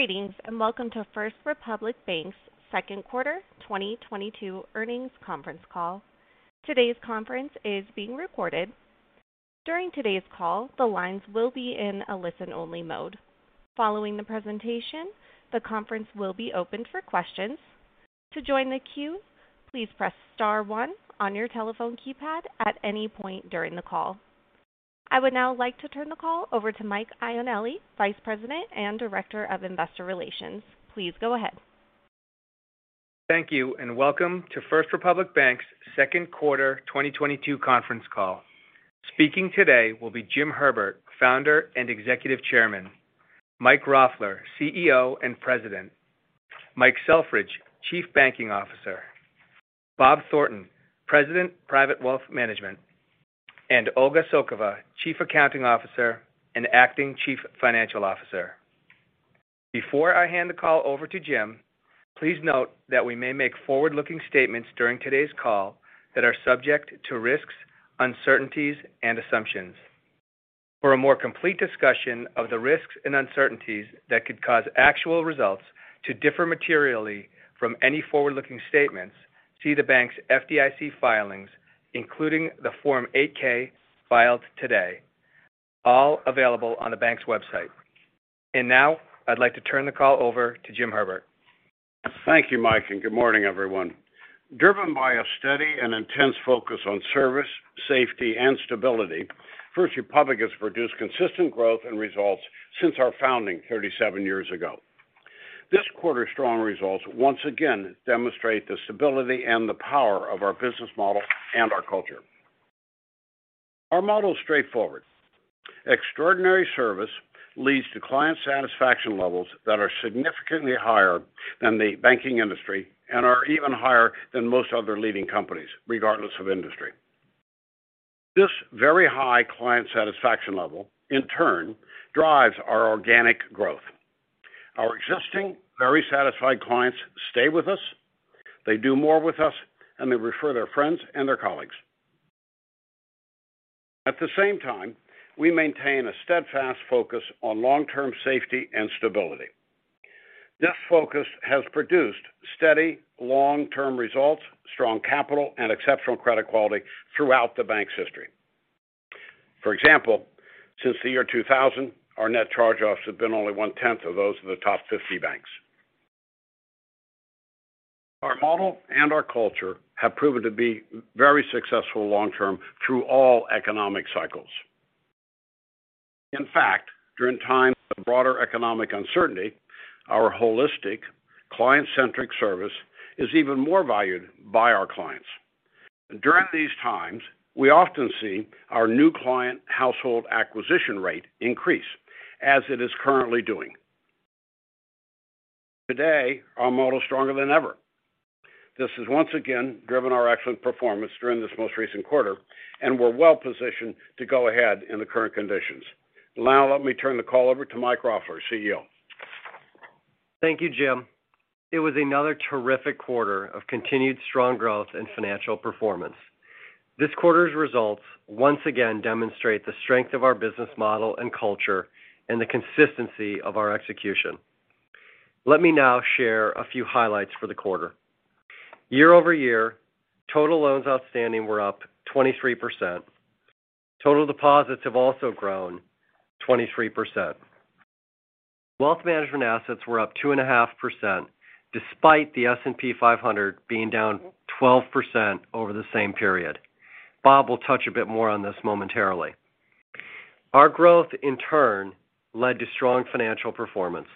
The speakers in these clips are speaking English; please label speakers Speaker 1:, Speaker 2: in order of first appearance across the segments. Speaker 1: Greetings, and welcome to First Republic Bank's 2nd quarter 2022 earnings conference call. Today's conference is being recorded. During today's call, the lines will be in a listen-only mode. Following the presentation, the conference will be opened for questions. To join the queue, please press star 1 on your telephone keypad at any point during the call. I would now like to turn the call over to Mike Iannelli, Vice President and Director of Investor Relations. Please go ahead.
Speaker 2: Thank you, and welcome to First Republic Bank's 2nd quarter 2022 conference call. Speaking today will be Jim Herbert, Founder and Executive Chairman, Mike Roffler, CEO and President, Mike Selfridge, Chief Banking Officer, Bob Thornton, President, Private Wealth Management, and Olga Tsokova, Chief Accounting Officer and Acting Chief Financial Officer. Before I hand the call over to Jim, please note that we may make forward-looking statements during today's call that are subject to risks, uncertainties and assumptions. For a more complete discussion of the risks and uncertainties that could cause actual results to differ materially from any forward-looking statements, see the bank's FDIC filings, including the Form 8-K filed today, all available on the bank's website. Now, I'd like to turn the call over to Jim Herbert.
Speaker 3: Thank you, Mike, and good morning, everyone. Driven by a steady and intense focus on service, safety and stability, First Republic has produced consistent growth and results since our founding 37 years ago. This quarter's strong results once again demonstrate the stability and the power of our business model and our culture. Our model is straightforward. Extraordinary service leads to client satisfaction levels that are significantly higher than the banking industry and are even higher than most other leading companies, regardless of industry. This very high client satisfaction level in turn drives our organic growth. Our existing very satisfied clients stay with us, they do more with us, and they refer their friends and their colleagues. At the same time, we maintain a steadfast focus on long-term safety and stability. This focus has produced steady long-term results, strong capital and exceptional credit quality throughout the bank's history. For example, since the year 2000, our net charge-offs have been only one-tenth of those of the top 50 banks. Our model and our culture have proven to be very successful long-term through all economic cycles. In fact, during times of broader economic uncertainty, our holistic client-centric service is even more valued by our clients. During these times, we often see our new client household acquisition rate increase as it is currently doing. Today, our model is stronger than ever. This has once again driven our excellent performance during this most recent quarter, and we're well positioned to go ahead in the current conditions. Now let me turn the call over to Mike Roffler, CEO.
Speaker 4: Thank you, Jim. It was another terrific quarter of continued strong growth and financial performance. This quarter's results once again demonstrate the strength of our business model and culture and the consistency of our execution. Let me now share a few highlights for the quarter. Year-over-year, total loans outstanding were up 23%. Total deposits have also grown 23%. Wealth management assets were up 2.5% despite the S&P 500 being down 12% over the same period. Bob will touch a bit more on this momentarily. Our growth in turn led to strong financial performance.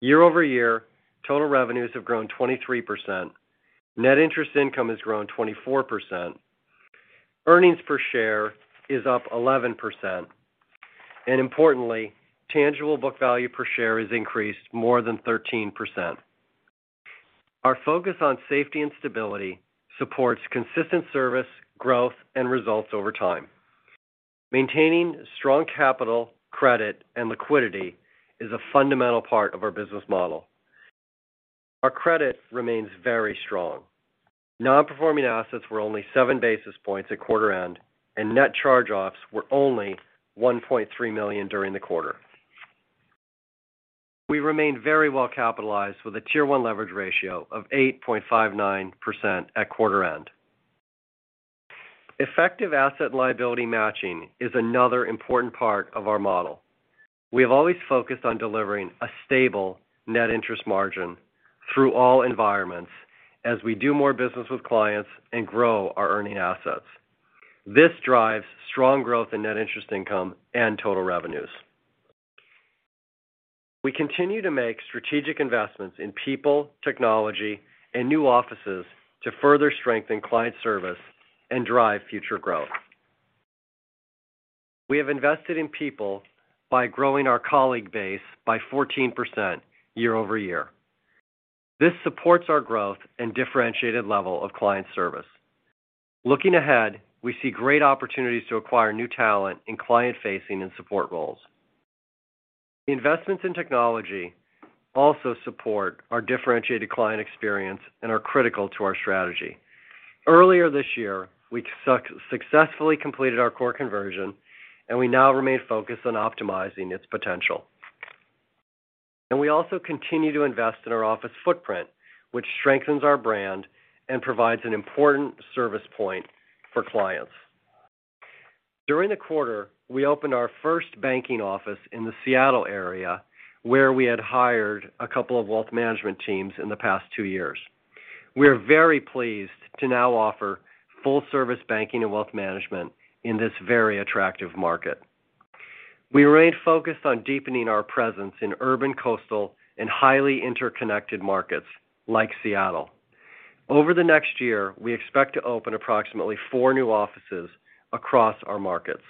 Speaker 4: Year-over-year, total revenues have grown 23%. Net interest income has grown 24%. Earnings per share is up 11%. Importantly, tangible book value per share has increased more than 13%. Our focus on safety and stability supports consistent service, growth, and results over time. Maintaining strong capital, credit, and liquidity is a fundamental part of our business model. Our credit remains very strong. Non-performing assets were only 7 basis points at quarter end, and net charge-offs were only $1.3 million during the quarter. We remain very well capitalized with a Tier 1 leverage ratio of 8.59% at quarter end. Effective asset liability matching is another important part of our model. We have always focused on delivering a stable net interest margin through all environments as we do more business with clients and grow our earning assets. This drives strong growth in net interest income and total revenues. We continue to make strategic investments in people, technology, and new offices to further strengthen client service and drive future growth. We have invested in people by growing our colleague base by 14% year-over-year. This supports our growth and differentiated level of client service. Looking ahead, we see great opportunities to acquire new talent in client-facing and support roles. Investments in technology also support our differentiated client experience and are critical to our strategy. Earlier this year, we successfully completed our core conversion, and we now remain focused on optimizing its potential. We also continue to invest in our office footprint, which strengthens our brand and provides an important service point for clients. During the quarter, we opened our first banking office in the Seattle area, where we had hired a couple of wealth management teams in the past 2 years. We are very pleased to now offer full service banking and wealth management in this very attractive market. We remain focused on deepening our presence in urban, coastal, and highly interconnected markets like Seattle. Over the next year, we expect to open approximately 4 new offices across our markets.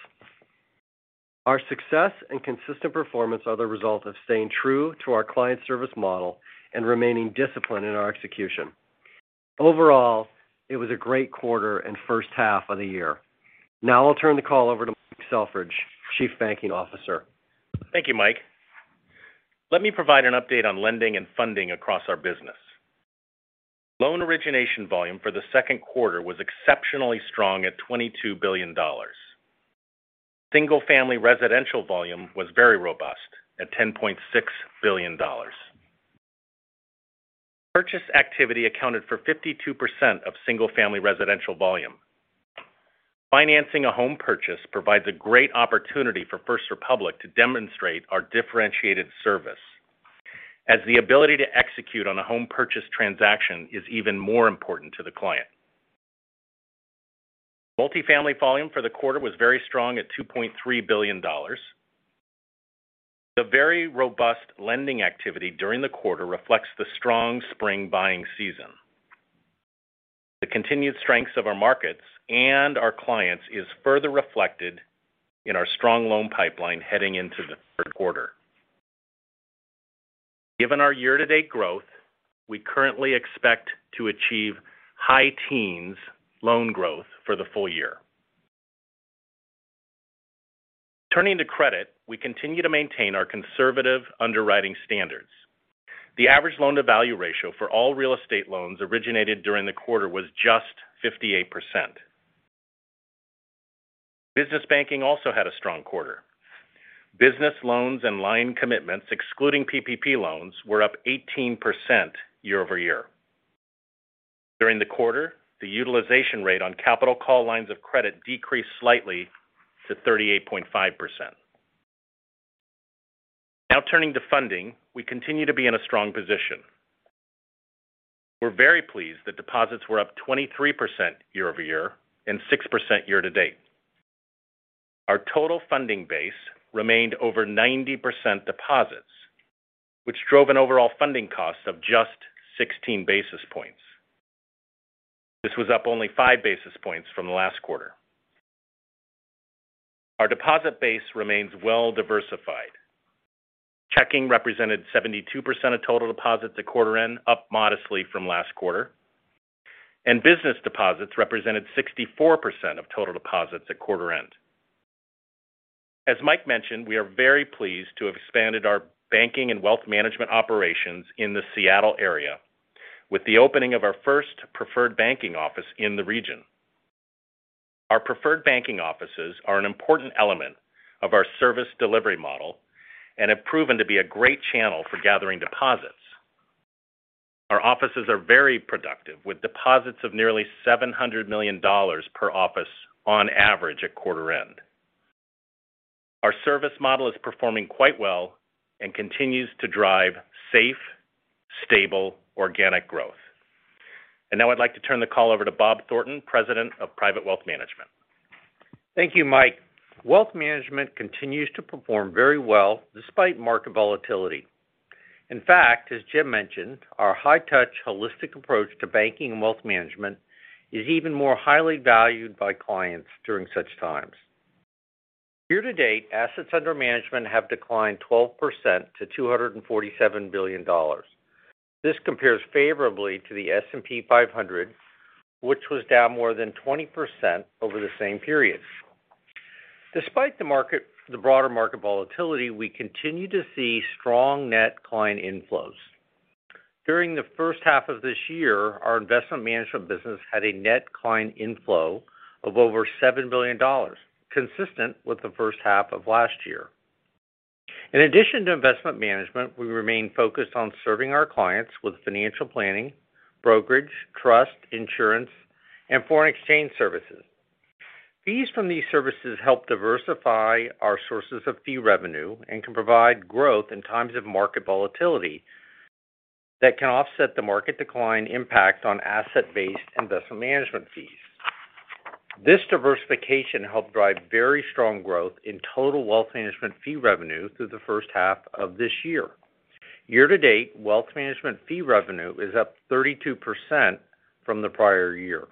Speaker 4: Our success and consistent performance are the result of staying true to our client service model and remaining disciplined in our execution. Overall, it was a great quarter and first half of the year. Now I'll turn the call over to Mike Selfridge, Chief Banking Officer.
Speaker 5: Thank you, Mike. Let me provide an update on lending and funding across our business. Loan origination volume for the 2nd quarter was exceptionally strong at $22 billion. Single-family residential volume was very robust at $10.6 billion. Purchase activity accounted for 52% of single-family residential volume. Financing a home purchase provides a great opportunity for First Republic to demonstrate our differentiated service, as the ability to execute on a home purchase transaction is even more important to the client. Multifamily volume for the quarter was very strong at $2.3 billion. The very robust lending activity during the quarter reflects the strong spring buying season. The continued strengths of our markets and our clients is further reflected in our strong loan pipeline heading into the 3rd quarter. Given our year-to-date growth, we currently expect to achieve high-teens loan growth for the full year. Turning to credit, we continue to maintain our conservative underwriting standards. The average loan-to-value ratio for all real estate loans originated during the quarter was just 58%. Business banking also had a strong quarter. Business loans and line commitments, excluding PPP loans, were up 18% year-over-year. During the quarter, the utilization rate on capital call lines of credit decreased slightly to 38.5%. Now turning to funding, we continue to be in a strong position. We're very pleased that deposits were up 23% year-over-year and 6% year-to-date. Our total funding base remained over 90% deposits, which drove an overall funding cost of just 16 basis points. This was up only 5 basis points from last quarter. Our deposit base remains well diversified. Checking represented 72% of total deposits at quarter end, up modestly from last quarter, and business deposits represented 64% of total deposits at quarter end. As Mike mentioned, we are very pleased to have expanded our banking and wealth management operations in the Seattle area with the opening of our first preferred banking office in the region. Our preferred banking offices are an important element of our service delivery model and have proven to be a great channel for gathering deposits. Our offices are very productive, with deposits of nearly $700 million per office on average at quarter end. Our service model is performing quite well and continues to drive safe, stable, organic growth. Now I'd like to turn the call over to Bob Thornton, President of Private Wealth Management.
Speaker 6: Thank you, Mike. Wealth management continues to perform very well despite market volatility. In fact, as Jim mentioned, our high-touch holistic approach to banking and wealth management is even more highly valued by clients during such times. Year to date, assets under management have declined 12% to $247 billion. This compares favorably to the S&P 500, which was down more than 20% over the same period. Despite the broader market volatility, we continue to see strong net client inflows. During the first half of this year, our investment management business had a net client inflow of over $7 billion, consistent with the first half of last year. In addition to investment management, we remain focused on serving our clients with financial planning, brokerage, trust, insurance, and foreign exchange services. Fees from these services help diversify our sources of fee revenue and can provide growth in times of market volatility that can offset the market decline impact on asset-based investment management fees. This diversification helped drive very strong growth in total wealth management fee revenue through the first half of this year. Year to date, wealth management fee revenue is up 32% from the prior year.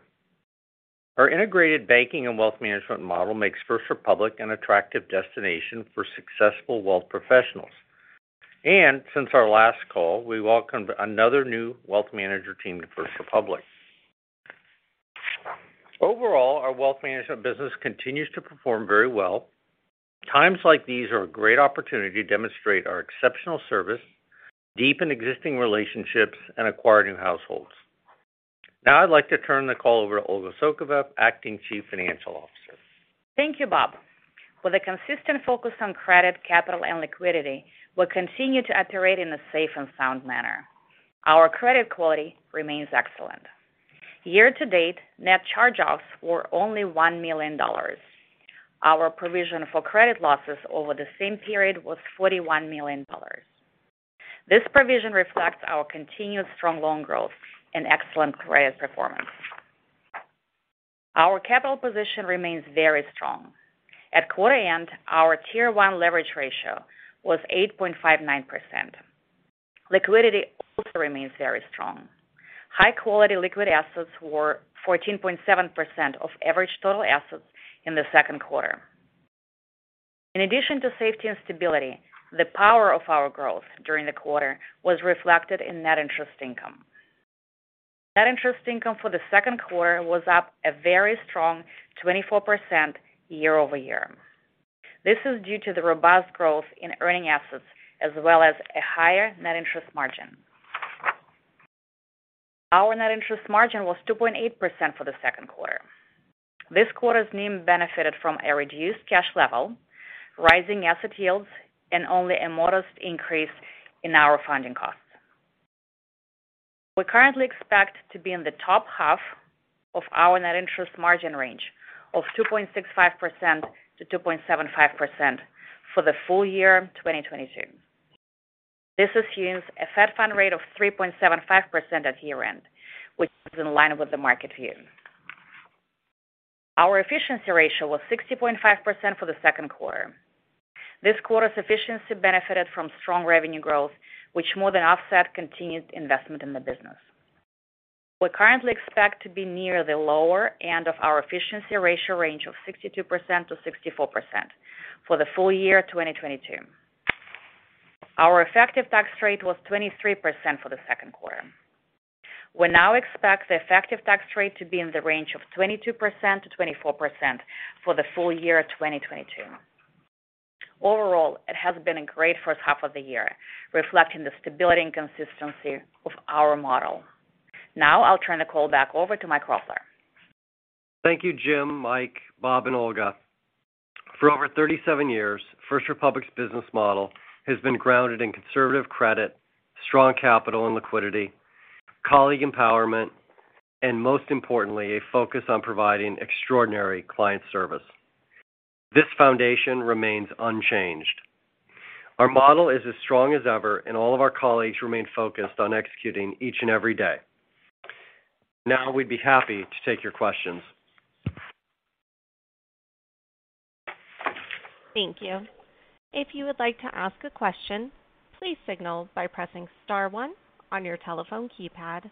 Speaker 6: Our integrated banking and wealth management model makes First Republic an attractive destination for successful wealth professionals. Since our last call, we welcomed another new wealth manager team to First Republic. Overall, our wealth management business continues to perform very well. Times like these are a great opportunity to demonstrate our exceptional service, deepen existing relationships, and acquire new households. Now I'd like to turn the call over to Olga Tsokova, Acting Chief Financial Officer.
Speaker 7: Thank you, Bob. With a consistent focus on credit, capital, and liquidity, we'll continue to operate in a safe and sound manner. Our credit quality remains excellent. Year to date, net charge-offs were only $1 million. Our provision for credit losses over the same period was $41 million. This provision reflects our continued strong loan growth and excellent credit performance. Our capital position remains very strong. At quarter end, our Tier 1 leverage ratio was 8.59%. Liquidity also remains very strong. High-quality liquid assets were 14.7% of average total assets in the 2nd quarter. In addition to safety and stability, the power of our growth during the quarter was reflected in net interest income. Net interest income for the 2nd quarter was up a very strong 24% year-over-year. This is due to the robust growth in earning assets as well as a higher net interest margin. Our net interest margin was 2.8% for the 2nd quarter. This quarter's NIM benefited from a reduced cash level, rising asset yields, and only a modest increase in our funding costs. We currently expect to be in the top half of our net interest margin range of 2.65%-2.75% for the full year 2022. This assumes a Fed funds rate of 3.75% at year-end, which is in line with the market view. Our efficiency ratio was 60.5% for the 2nd quarter. This quarter's efficiency benefited from strong revenue growth, which more than offset continued investment in the business. We currently expect to be near the lower end of our efficiency ratio range of 62%-64% for the full year 2022. Our effective tax rate was 23% for the 2nd quarter. We now expect the effective tax rate to be in the range of 22%-24% for the full year 2022. Overall, it has been a great 1st half of the year, reflecting the stability and consistency of our model. Now I'll turn the call back over to Mike Roffler.
Speaker 4: Thank you, Jim, Mike, Bob, and Olga. For over 37 years, First Republic's business model has been grounded in conservative credit, strong capital and liquidity, colleague empowerment, and most importantly, a focus on providing extraordinary client service. This foundation remains unchanged. Our model is as strong as ever, and all of our colleagues remain focused on executing each and every day. Now we'd be happy to take your questions.
Speaker 1: Thank you. If you would like to ask a question, please signal by pressing star 1 on your telephone keypad.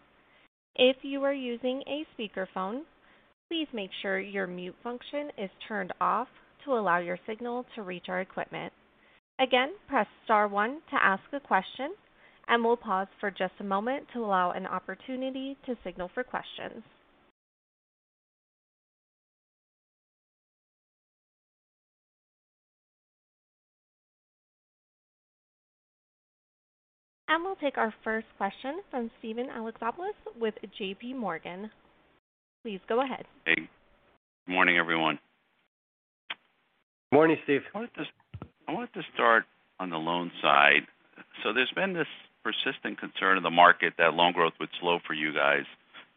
Speaker 1: If you are using a speakerphone, please make sure your mute function is turned off to allow your signal to reach our equipment. Again, press star 1 to ask a question, and we'll pause for just a moment to allow an opportunity to signal for questions. We'll take our first question from Steven Alexopoulos with JPMorgan. Please go ahead.
Speaker 8: Hey, good morning, everyone.
Speaker 4: Morning, Steve.
Speaker 8: I wanted to start on the loan side. There's been this persistent concern in the market that loan growth would slow for you guys,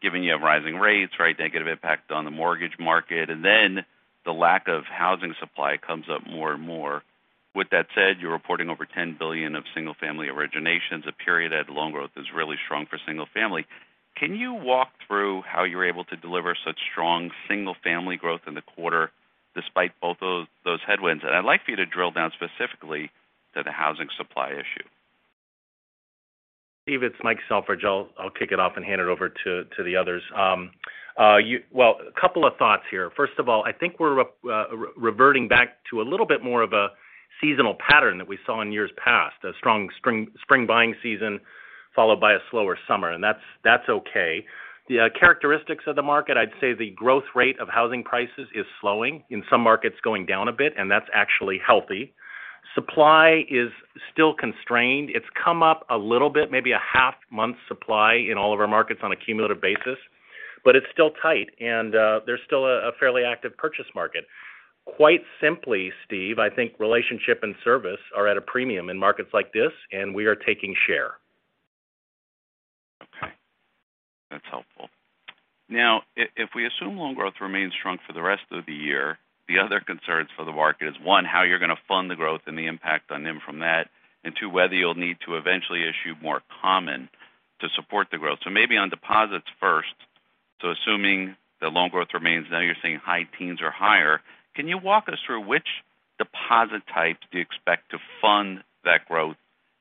Speaker 8: given you have rising rates, right, negative impact on the mortgage market, and then the lack of housing supply comes up more and more. With that said, you're reporting over $10 billion of single-family originations over a period, and loan growth is really strong for single-family. Can you walk through how you're able to deliver such strong single-family growth in the quarter despite both those headwinds? I'd like for you to drill down specifically to the housing supply issue.
Speaker 5: Steve, it's Mike Selfridge. I'll kick it off and hand it over to the others. Well, a couple of thoughts here. First of all, I think we're reverting back to a little bit more of a seasonal pattern that we saw in years past, a strong spring buying season followed by a slower summer, and that's okay. The characteristics of the market, I'd say the growth rate of housing prices is slowing, in some markets going down a bit, and that's actually healthy. Supply is still constrained. It's come up a little bit, maybe a half month supply in all of our markets on a cumulative basis, but it's still tight and there's still a fairly active purchase market. Quite simply, Steven, I think relationship and service are at a premium in markets like this, and we are taking share.
Speaker 8: Okay. That's helpful. Now if we assume loan growth remains strong for the rest of the year, the other concerns for the market is, one, how you're gonna fund the growth and the impact on NIM from that, and two, whether you'll need to eventually issue more common to support the growth. Maybe on deposits first. Assuming the loan growth remains, now you're seeing high teens or higher, can you walk us through which deposit types do you expect to fund that growth,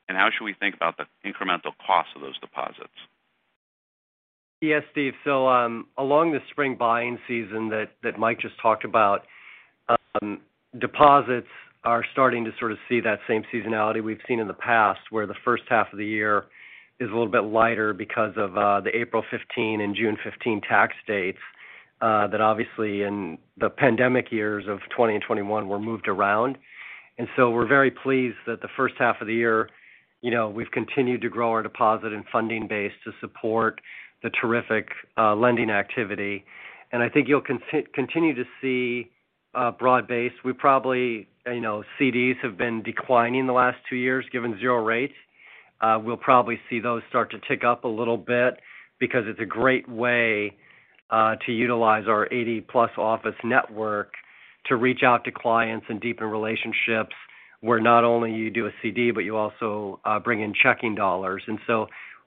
Speaker 8: and how should we think about the incremental cost of those deposits?
Speaker 4: Yes, Steve. Along the spring buying season that Mike just talked about, deposits are starting to sort of see that same seasonality we've seen in the past, where the first half of the year is a little bit lighter because of the April 15 and June 15 tax dates. That obviously in the pandemic years of 2020 and 2021 were moved around. We're very pleased that the first half of the year, you know, we've continued to grow our deposit and funding base to support the terrific lending activity. I think you'll continue to see broad-based. We probably, you know, CDs have been declining the last 2 years given 0 rates. We'll probably see those start to tick up a little bit because it's a great way to utilize our 80-plus office network to reach out to clients and deepen relationships where not only you do a CD, but you also bring in checking dollars.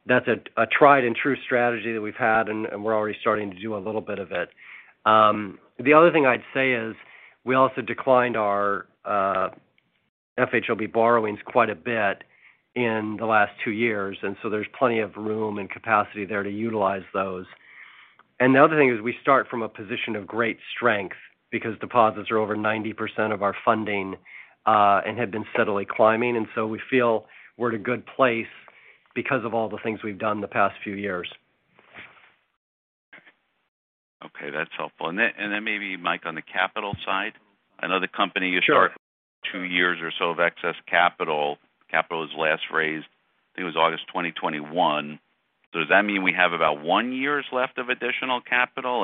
Speaker 4: That's a tried and true strategy that we've had, and we're already starting to do a little bit of it. The other thing I'd say is we also declined our FHLB borrowings quite a bit in the last 2 years, so there's plenty of room and capacity there to utilize those. The other thing is we start from a position of great strength because deposits are over 90% of our funding, and have been steadily climbing. We feel we're in a good place because of all the things we've done the past few years.
Speaker 8: Okay, that's helpful. Maybe, Mike, on the capital side.
Speaker 4: Sure.
Speaker 8: I know the company is 2 years or so of excess capital. Capital was last raised, I think it was August 2021. Does that mean we have about one years left of additional capital?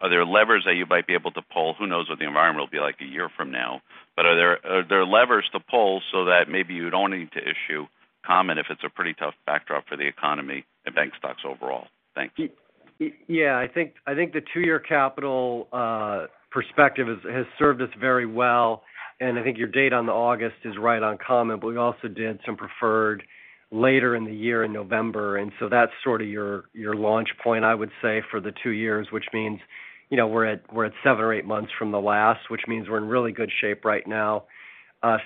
Speaker 8: Are there levers that you might be able to pull? Who knows what the environment will be like a year from now. Are there levers to pull so that maybe you don't need to issue common if it's a pretty tough backdrop for the economy and bank stocks overall? Thank you.
Speaker 4: Yeah. I think the 2 year capital perspective has served us very well. I think your date on the August is right on common, but we also did some preferred later in the year in November. That's sort of your launch point, I would say, for the 2 years, which means, you know, we're at 7 or 8 months from the last, which means we're in really good shape right now.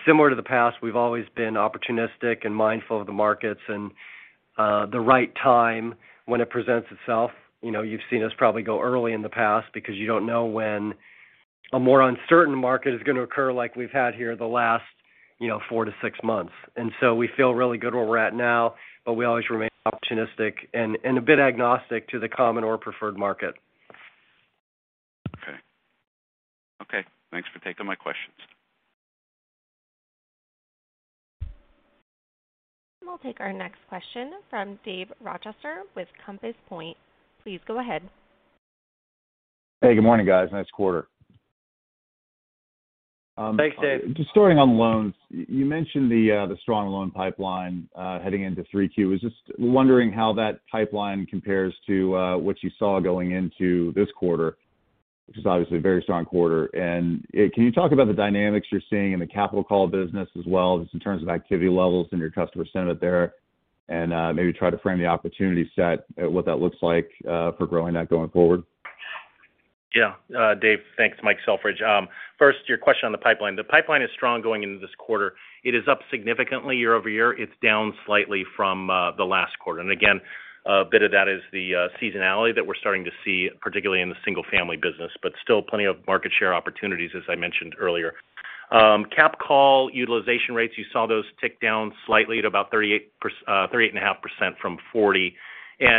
Speaker 4: Similar to the past, we've always been opportunistic and mindful of the markets and the right time when it presents itself. You know, you've seen us probably go early in the past because you don't know when a more uncertain market is gonna occur like we've had here the last 4-6 months. We feel really good where we're at now, but we always remain opportunistic and a bit agnostic to the common or preferred market.
Speaker 8: Okay. Thanks for taking my questions.
Speaker 1: We'll take our next question from David Rochester with Compass Point. Please go ahead.
Speaker 9: Hey, good morning, guys. Nice quarter.
Speaker 4: Thanks, David.
Speaker 9: Just starting on loans. You mentioned the strong loan pipeline heading into 3Q. I was just wondering how that pipeline compares to what you saw going into this quarter, which is obviously a very strong quarter. Can you talk about the dynamics you're seeing in the capital call business as well, just in terms of activity levels and your customer sentiment there, and maybe try to frame the opportunity set at what that looks like for growing that going forward?
Speaker 5: Yeah. Dave, thanks. Mike Selfridge. First, your question on the pipeline. The pipeline is strong going into this quarter. It is up significantly year-over-year. It's down slightly from the last quarter. Again, a bit of that is the seasonality that we're starting to see, particularly in the single-family business, but still plenty of market share opportunities, as I mentioned earlier. Cap call utilization rates, you saw those tick down slightly at about 38.5% from 40%.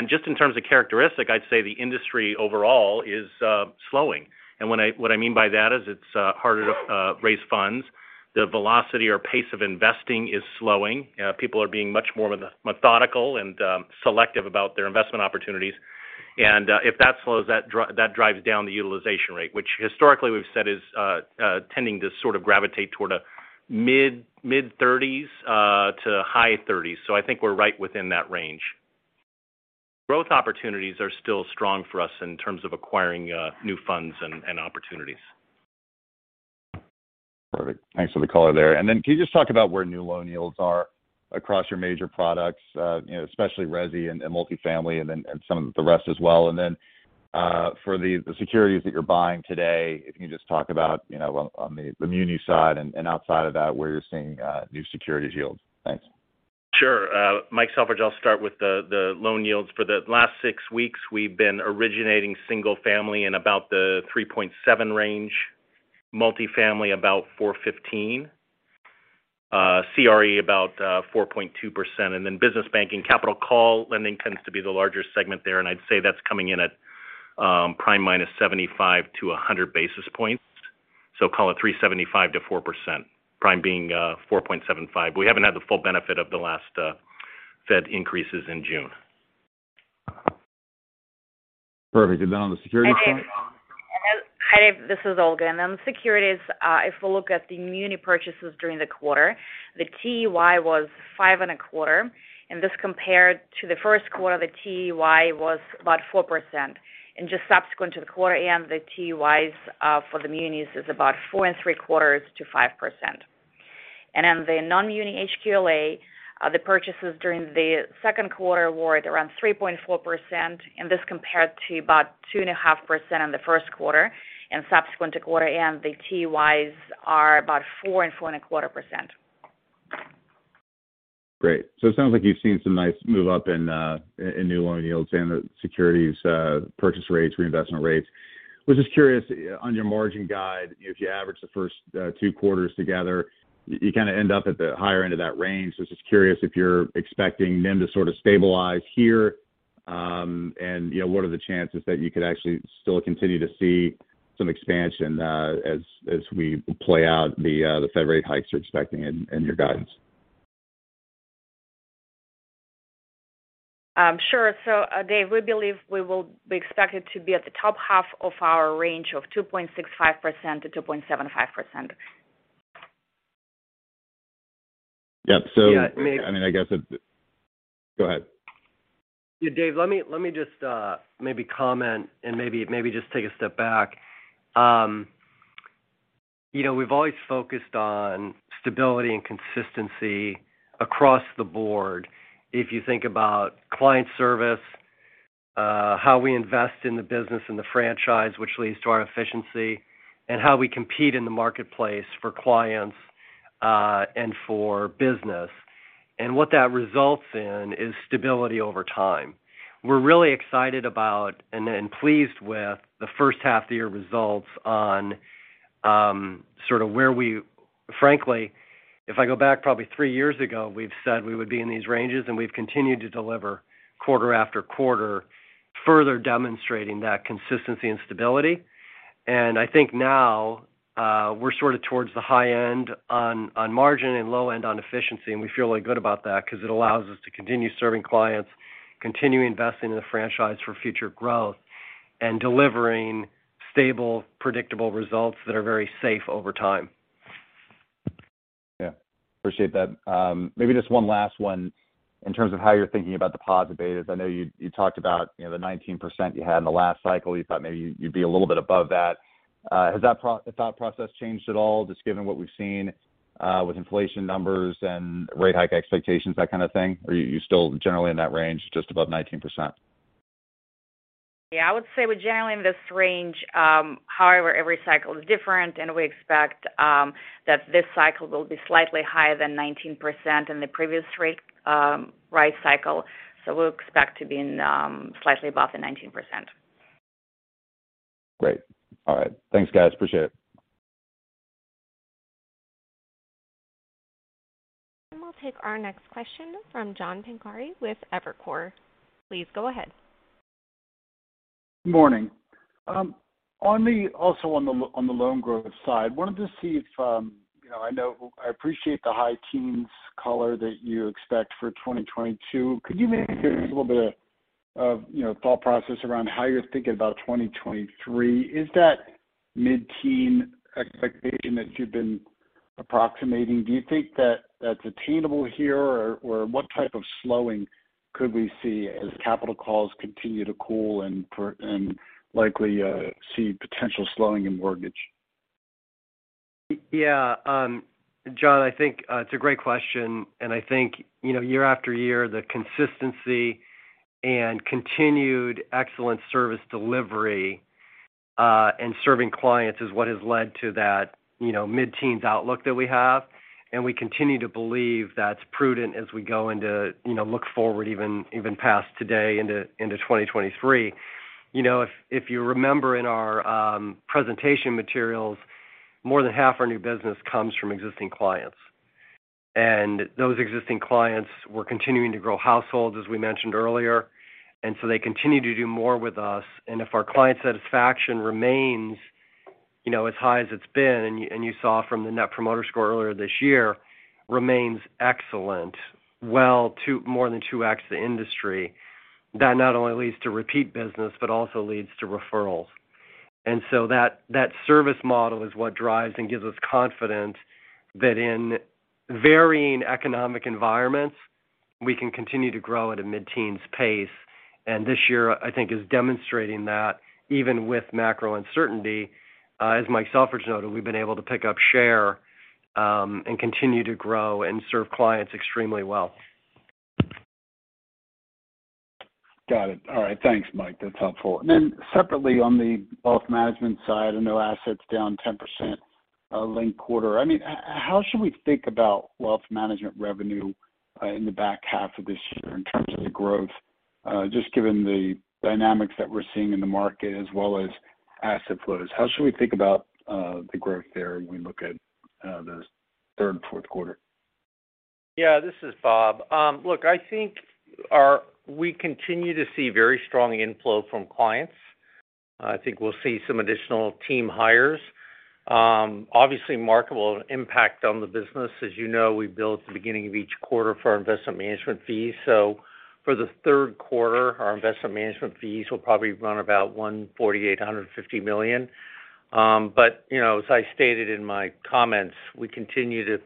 Speaker 5: Just in terms of characteristic, I'd say the industry overall is slowing. What I mean by that is it's harder to raise funds. The velocity or pace of investing is slowing. People are being much more methodical and selective about their investment opportunities. If that slows, that drives down the utilization rate, which historically we've said is tending to sort of gravitate toward a mid-30s% to high 30s%. I think we're right within that range. Growth opportunities are still strong for us in terms of acquiring new funds and opportunities.
Speaker 9: Perfect. Thanks for the color there. Can you just talk about where new loan yields are across your major products, you know, especially resi and multifamily and then some of the rest as well. For the securities that you're buying today, if you can just talk about, you know, on the muni side and outside of that, where you're seeing new securities yields. Thanks.
Speaker 5: Sure. Mike Selfridge, I'll start with the loan yields. For the last six weeks, we've been originating single family in about the 3.7 range, multifamily about 4.15, CRE about 4.2%. Business banking, capital call lending tends to be the larger segment there, and I'd say that's coming in at prime minus 75 to 100 basis points. Call it 3.75%-4%. Prime being 4.75. We haven't had the full benefit of the last Fed increases in June.
Speaker 9: Perfect. On the securities side.
Speaker 7: Hi, Dave, this is Olga. On the securities, if we look at the muni purchases during the quarter, the TEY was 5.25%. This compared to the first quarter, the TEY was about 4%. Just subsequent to the quarter end, the TEYs for the munis is about 4.75%-5%. The non-muni HQLA, the purchases during the 2nd quarter were at around 3.4%, and this compared to about 2.5% in the 1st quarter. Subsequent to quarter end, the TEYs are about 4%-4.25%.
Speaker 9: Great. It sounds like you've seen some nice move up in new loan yields and the securities purchase rates, reinvestment rates. Was just curious on your margin guide, if you average the 1st 2 quarters together, you kind of end up at the higher end of that range. Just curious if you're expecting them to sort of stabilize here, and, you know, what are the chances that you could actually still continue to see some expansion, as we play out the Fed rate hikes you're expecting in your guidance?
Speaker 7: Sure. Dave, we believe we will be expected to be at the top half of our range of 2.65%-2.75%.
Speaker 9: Yeah.
Speaker 4: Yeah.
Speaker 9: Go ahead.
Speaker 4: Yeah, Dave, let me just maybe comment and maybe just take a step back. You know, we've always focused on stability and consistency across the board. If you think about client service, how we invest in the business and the franchise, which leads to our efficiency, and how we compete in the marketplace for clients, and for business. What that results in is stability over time. We're really excited about and then pleased with the first half of the year results on frankly, if I go back probably 3 years ago, we've said we would be in these ranges, and we've continued to deliver quarter after quarter, further demonstrating that consistency and stability. I think now, we're sort of towards the high end on margin and low end on efficiency, and we feel really good about that because it allows us to continue serving clients, continue investing in the franchise for future growth, and delivering stable, predictable results that are very safe over time.
Speaker 9: Yeah. Appreciate that. Maybe just one last one in terms of how you're thinking about deposit betas. I know you talked about, you know, the 19% you had in the last cycle. You thought maybe you'd be a little bit above that. Has that thought process changed at all, just given what we've seen with inflation numbers and rate hike expectations, that kind of thing? Are you still generally in that range, just above 19%?
Speaker 7: Yeah. I would say we're generally in this range. However, every cycle is different, and we expect that this cycle will be slightly higher than 19% in the previous rate rise cycle. We'll expect to be in slightly above the 19%.
Speaker 9: Great. All right. Thanks, guys. Appreciate it.
Speaker 1: We'll take our next question from John Pancari with Evercore. Please go ahead.
Speaker 10: Morning. On the loan growth side, wanted to see if, you know, I know I appreciate the high-teens color that you expect for 2022. Could you maybe give us a little bit of, you know, thought process around how you're thinking about 2023? Is that mid-teens expectation that you've been approximating, do you think that that's attainable here? Or what type of slowing could we see as capital calls continue to cool and perhaps likely see potential slowing in mortgage?
Speaker 4: Yeah. John, I think it's a great question. I think, you know, year after year, the consistency and continued excellent service delivery and serving clients is what has led to that, you know, mid-teens outlook that we have. We continue to believe that's prudent as we go into, you know, look forward even past today into 2023. You know, if you remember in our presentation materials, more than half our new business comes from existing clients. Those existing clients were continuing to grow households, as we mentioned earlier. They continue to do more with us. If our client satisfaction remains, you know, as high as it's been, and you saw from the Net Promoter Score earlier this year remains excellent, well to more than 2x the industry, that not only leads to repeat business, but also leads to referrals. That service model is what drives and gives us confidence that in varying economic environments, we can continue to grow at a mid-teens pace. This year, I think, is demonstrating that even with macro uncertainty, as Mike Selfridge noted, we've been able to pick up share, and continue to grow and serve clients extremely well.
Speaker 10: Got it. All right. Thanks, Mike. That's helpful. Separately, on the wealth management side, I know assets down 10%, linked quarter. I mean, how should we think about wealth management revenue in the back half of this year in terms of the growth, just given the dynamics that we're seeing in the market as well as asset flows? How should we think about the growth there when we look at the 3rd and 4th quarter?
Speaker 6: Yeah, this is Bob. Look, I think we continue to see very strong inflow from clients. I think we'll see some additional team hires. Obviously marketable impact on the business. As you know, we bill at the beginning of each quarter for our investment management fees. For the 3rd quarter, our investment management fees will probably run about $148 million-$150 million. You know, as I stated in my comments, we continue to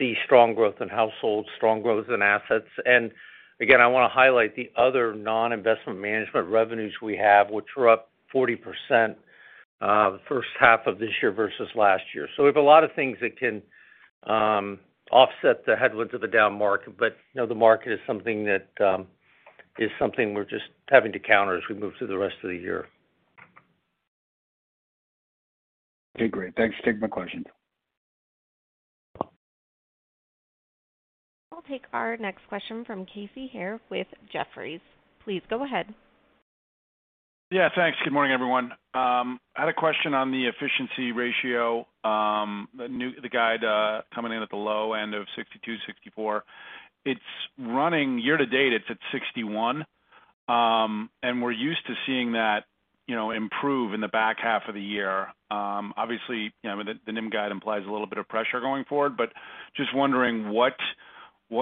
Speaker 6: see strong growth in households, strong growth in assets. Again, I want to highlight the other non-investment management revenues we have, which were up 40%, first half of this year versus last year. We have a lot of things that can offset the headwinds of a down market, but you know, the market is something we're just having to counter as we move through the rest of the year.
Speaker 10: Okay, great. Thanks. Take my question.
Speaker 1: I'll take our next question from Casey Haire with Jefferies. Please go ahead.
Speaker 11: Yeah, thanks. Good morning, everyone. I had a question on the efficiency ratio, the new guide coming in at the low end of 62-64. It's running year to date, it's at 61, and we're used to seeing that, you know, improve in the back half of the year. Obviously, you know, the NIM guide implies a little bit of pressure going forward, but just wondering what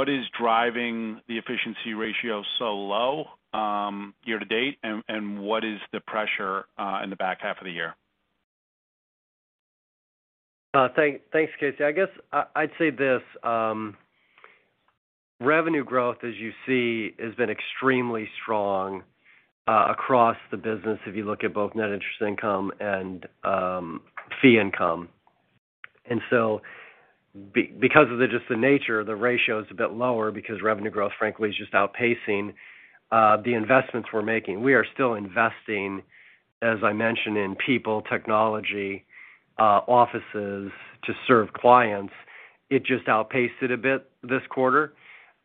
Speaker 11: is driving the efficiency ratio so low year to date? And what is the pressure in the back half of the year?
Speaker 4: Thanks, Casey. I guess I'd say this. Revenue growth, as you see, has been extremely strong across the business if you look at both net interest income and fee income. Because of just the nature, the ratio is a bit lower because revenue growth, frankly, is just outpacing the investments we're making. We are still investing, as I mentioned, in people, technology, offices to serve clients. It just outpaced it a bit this quarter.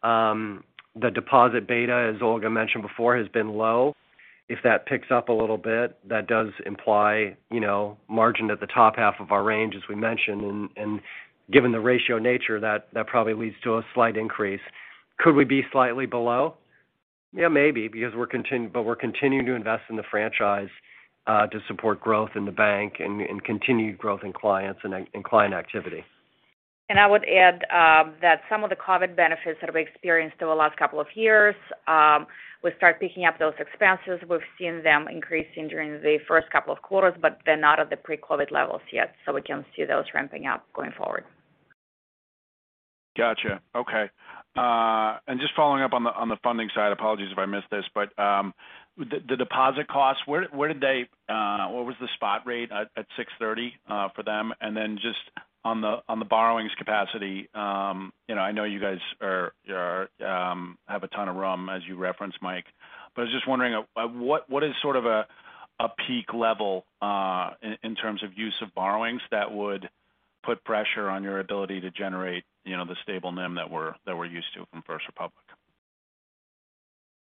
Speaker 4: The deposit beta, as Olga mentioned before, has been low. If that picks up a little bit, that does imply, you know, margin at the top half of our range, as we mentioned. Given the ratio nature, that probably leads to a slight increase. Could we be slightly below? Yeah, maybe, because we're continuing to invest in the franchise to support growth in the bank and continued growth in clients and in client activity.
Speaker 7: I would add that some of the COVID benefits that we experienced over the last couple of years will start picking up those expenses. We've seen them increasing during the first couple of quarters, but they're not at the pre-COVID levels yet, so we can see those ramping up going forward.
Speaker 11: Gotcha. Okay. Just following up on the funding side. Apologies if I missed this, but the deposit costs, what was the spot rate at 6:30 for them? Then just on the borrowings capacity, you know, I know you guys have a ton of room as you referenced, Mike. I was just wondering what is sort of a peak level in terms of use of borrowings that would put pressure on your ability to generate, you know, the stable NIM that we're used to from First Republic?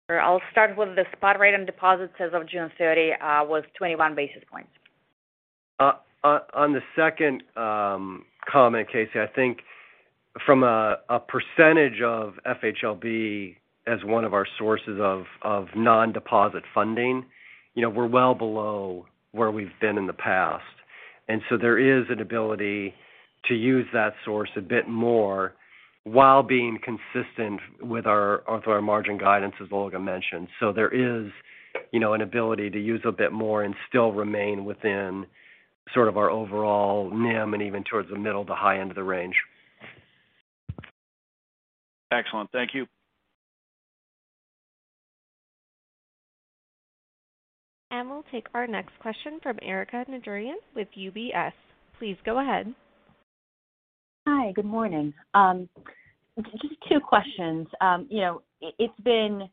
Speaker 7: I'll start with the spot rate on deposits as of June 30 was 21 basis points.
Speaker 4: On the second comment, Casey, I think from a percentage of FHLB as one of our sources of non-deposit funding, you know, we're well below where we've been in the past. There is an ability to use that source a bit more while being consistent with our margin guidance, as Olga mentioned. There is, you know, an ability to use a bit more and still remain within sort of our overall NIM and even towards the middle to high end of the range.
Speaker 11: Excellent. Thank you.
Speaker 1: We'll take our next question from Erika Najarian with UBS. Please go ahead.
Speaker 12: Hi. Good morning. Just 2 questions. You know, it's been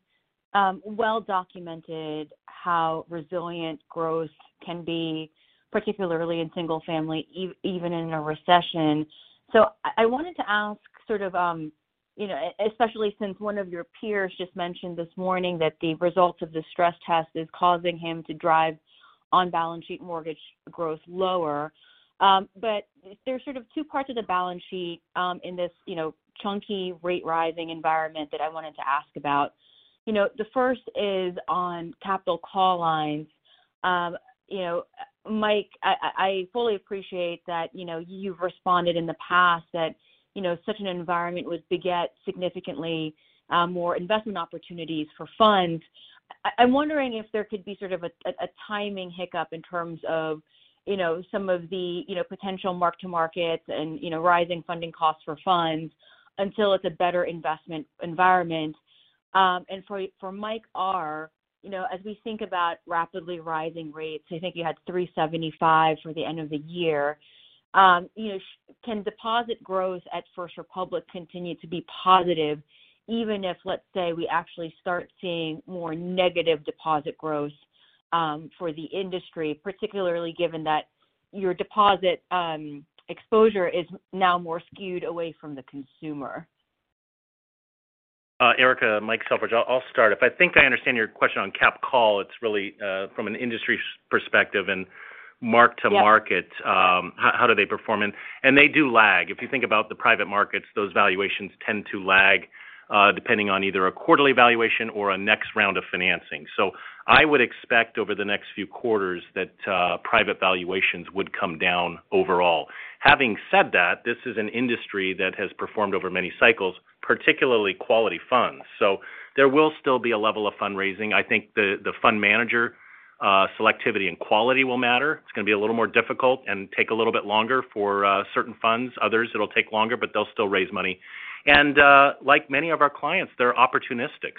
Speaker 12: well documented how resilient growth can be, particularly in single family even in a recession. I wanted to ask sort of, you know, especially since one of your peers just mentioned this morning that the results of the stress test is causing him to drive on-balance sheet mortgage growth lower. There's sort of 2 parts of the balance sheet in this, you know, chunky rate rising environment that I wanted to ask about. You know, the first is on capital call lines. You know, Mike, I fully appreciate that, you know, you've responded in the past that, you know, such an environment would beget significantly more investment opportunities for funds. I'm wondering if there could be sort of a timing hiccup in terms of, you know, some of the potential mark-to-market and rising funding costs for funds until it's a better investment environment. For Mike Roffler, as we think about rapidly rising rates, I think you had 3.75 for the end of the year. Can deposit growth at First Republic Bank continue to be positive, even if, let's say, we actually start seeing more negative deposit growth for the industry, particularly given that your deposit exposure is now more skewed away from the consumer?
Speaker 5: Erika, Mike Selfridge. I'll start. If I think I understand your question on capital call, it's really from an industry perspective and mark to market.
Speaker 12: Yeah.
Speaker 5: How do they perform? They do lag. If you think about the private markets, those valuations tend to lag, depending on either a quarterly valuation or a next round of financing. I would expect over the next few quarters that private valuations would come down overall. Having said that, this is an industry that has performed over many cycles, particularly quality funds. There will still be a level of fundraising. I think the fund manager selectivity and quality will matter. It's going to be a little more difficult and take a little bit longer for certain funds. Others, it'll take longer, but they'll still raise money. Like many of our clients, they're opportunistic.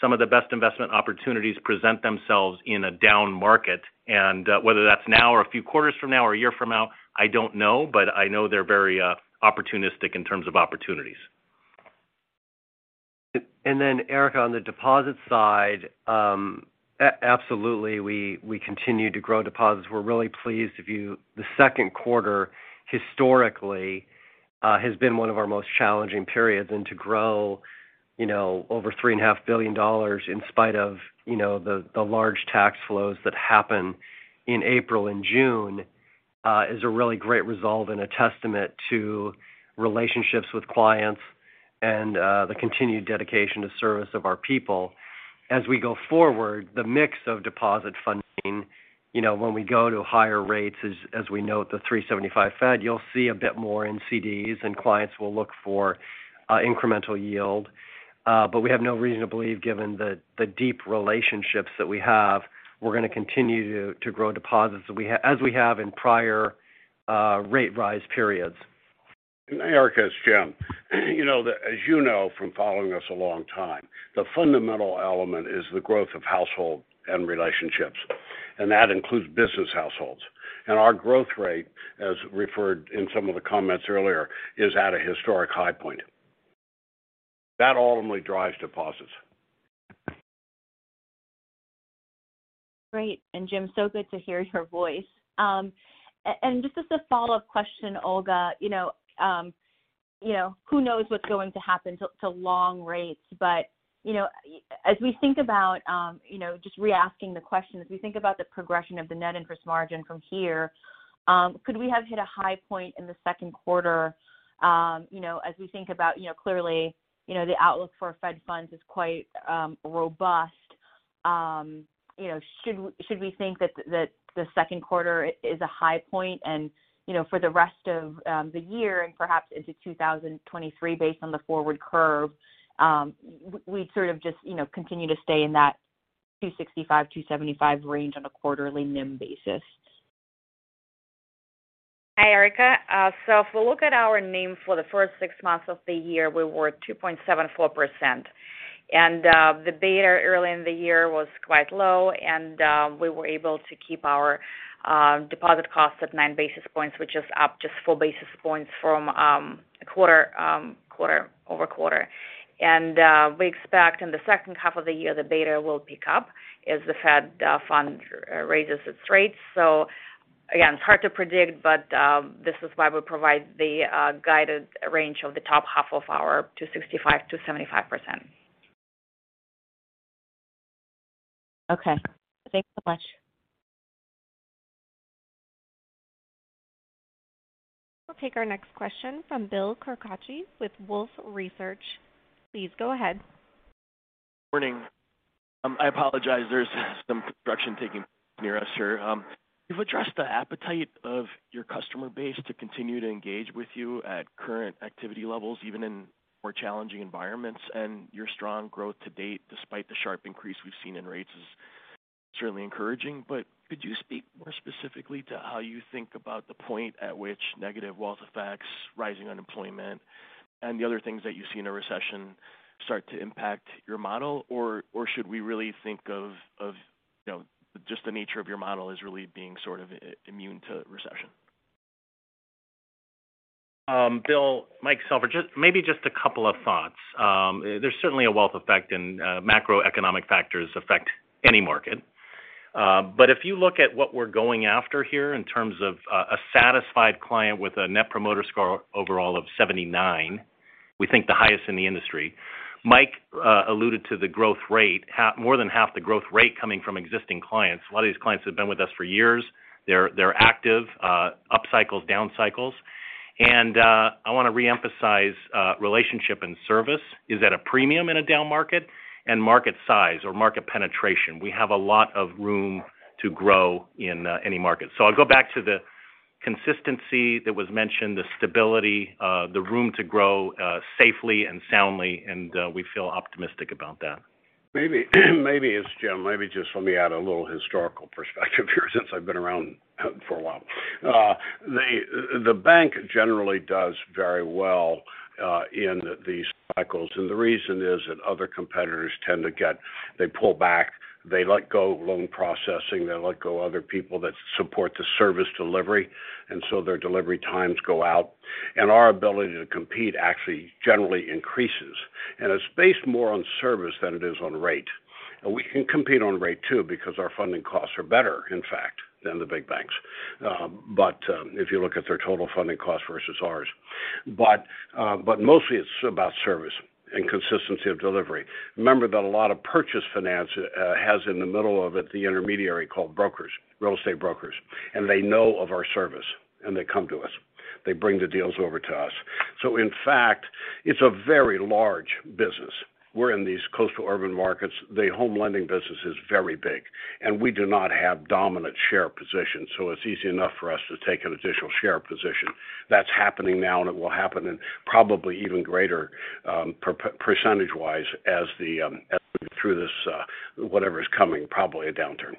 Speaker 5: Some of the best investment opportunities present themselves in a down market. Whether that's now or a few quarters from now or a year from now, I don't know, but I know they're very opportunistic in terms of opportunities.
Speaker 4: Then Erika, on the deposit side, absolutely, we continue to grow deposits. We're really pleased. The 2nd quarter historically has been one of our most challenging periods. To grow, you know, over $3.5 billion in spite of, you know, the large tax flows that happen in April and June is a really great result and a testament to relationships with clients and the continued dedication to service of our people. As we go forward, the mix of deposit funding, you know, when we go to higher rates, as we note the 3.75 Fed, you'll see a bit more in CDs and clients will look for incremental yield. But we have no reason to believe, given the deep relationships that we have, we're gonna continue to grow deposits as we have in prior rate rise periods.
Speaker 3: Erika, it's Jim. You know, as you know from following us a long time, the fundamental element is the growth of households and relationships, and that includes business households. Our growth rate, as referred in some of the comments earlier, is at a historic high point. That ultimately drives deposits.
Speaker 12: Great. Jim, so good to hear your voice. Just as a follow-up question, Olga, you know, you know, who knows what's going to happen to long rates? You know, as we think about, you know, just reasking the question, as we think about the progression of the net interest margin from here, could we have hit a high point in the 2nd quarter? You know, as we think about, you know, clearly, you know, the outlook for Fed funds is quite robust. You know, should we think that the 2nd quarter is a high point and, you know, for the rest of the year and perhaps into 2023 based on the forward curve, we'd sort of just, you know, continue to stay in that 2.65%-2.75% range on a quarterly NIM basis?
Speaker 7: Hi, Erika. If we look at our NIM for the first six months of the year, we were at 2.74%. The beta early in the year was quite low, and we were able to keep our deposit cost at 9 basis points, which is up just 4 basis points from quarter-over-quarter. We expect in the second half of the year, the beta will pick up as the Fed funds rate raises its rates. Again, it's hard to predict, but this is why we provide the guided range of the top half of our 2.65%-2.75%.
Speaker 12: Okay. Thanks so much.
Speaker 1: We'll take our next question from Bill Carcache with Wolfe Research. Please go ahead.
Speaker 13: Morning. I apologize there's some construction taking place near us here. You've addressed the appetite of your customer base to continue to engage with you at current activity levels, even in more challenging environments, and your strong growth to date, despite the sharp increase we've seen in rates, is certainly encouraging. Could you speak more specifically to how you think about the point at which negative wealth effects, rising unemployment, and the other things that you see in a recession start to impact your model? Or should we really think of, you know, just the nature of your model as really being sort of immune to recession?
Speaker 5: Bill, Mike Selfridge. Maybe just a couple of thoughts. There's certainly a wealth effect and macroeconomic factors affect any market. But if you look at what we're going after here in terms of a satisfied client with a Net Promoter Score overall of 79, we think the highest in the industry. Mike alluded to the growth rate, more than half the growth rate coming from existing clients. A lot of these clients have been with us for years. They're active up cycles, down cycles. I wanna reemphasize relationship and service is at a premium in a down market and market size or market penetration. We have a lot of room to grow in any market. I'll go back to the consistency that was mentioned, the stability, the room to grow, safely and soundly, and we feel optimistic about that.
Speaker 3: Maybe it's Jim. Maybe just let me add a little historical perspective here since I've been around for a while. The bank generally does very well in these cycles. The reason is that other competitors tend to get they pull back, they let go loan processing, they let go other people that support the service delivery, and so their delivery times go out. Our ability to compete actually generally increases. It's based more on service than it is on rate. We can compete on rate too because our funding costs are better, in fact, than the big banks. If you look at their total funding cost versus ours. Mostly it's about service and consistency of delivery. Remember that a lot of purchase finance has in the middle of it the intermediary called brokers, real estate brokers, and they know of our service and they come to us. They bring the deals over to us. In fact, it's a very large business. We're in these coastal urban markets. The home lending business is very big, and we do not have dominant share position. It's easy enough for us to take an additional share position. That's happening now and it will happen in probably even greater percentage wise as through this whatever is coming, probably a downturn.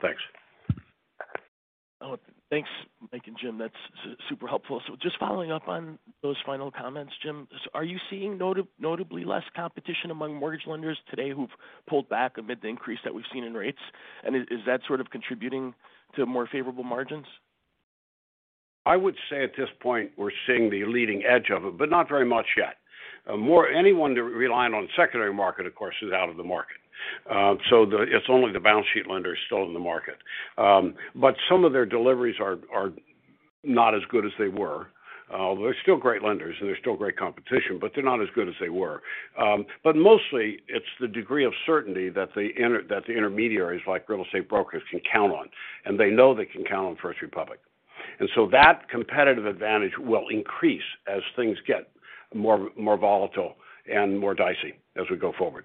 Speaker 3: Thanks.
Speaker 13: Thanks, Mike and Jim. That's super helpful. Just following up on those final comments, Jim, are you seeing notably less competition among mortgage lenders today who've pulled back amid the increase that we've seen in rates? Is that sort of contributing to more favorable margins?
Speaker 3: I would say at this point we're seeing the leading edge of it, but not very much yet. Anyone relying on the secondary market, of course, is out of the market, so it's only the balance sheet lenders still in the market. But some of their deliveries are not as good as they were. They're still great lenders, and they're still great competition, but they're not as good as they were. But mostly it's the degree of certainty that the intermediaries like real estate brokers can count on, and they know they can count on First Republic. That competitive advantage will increase as things get more volatile and more dicey as we go forward.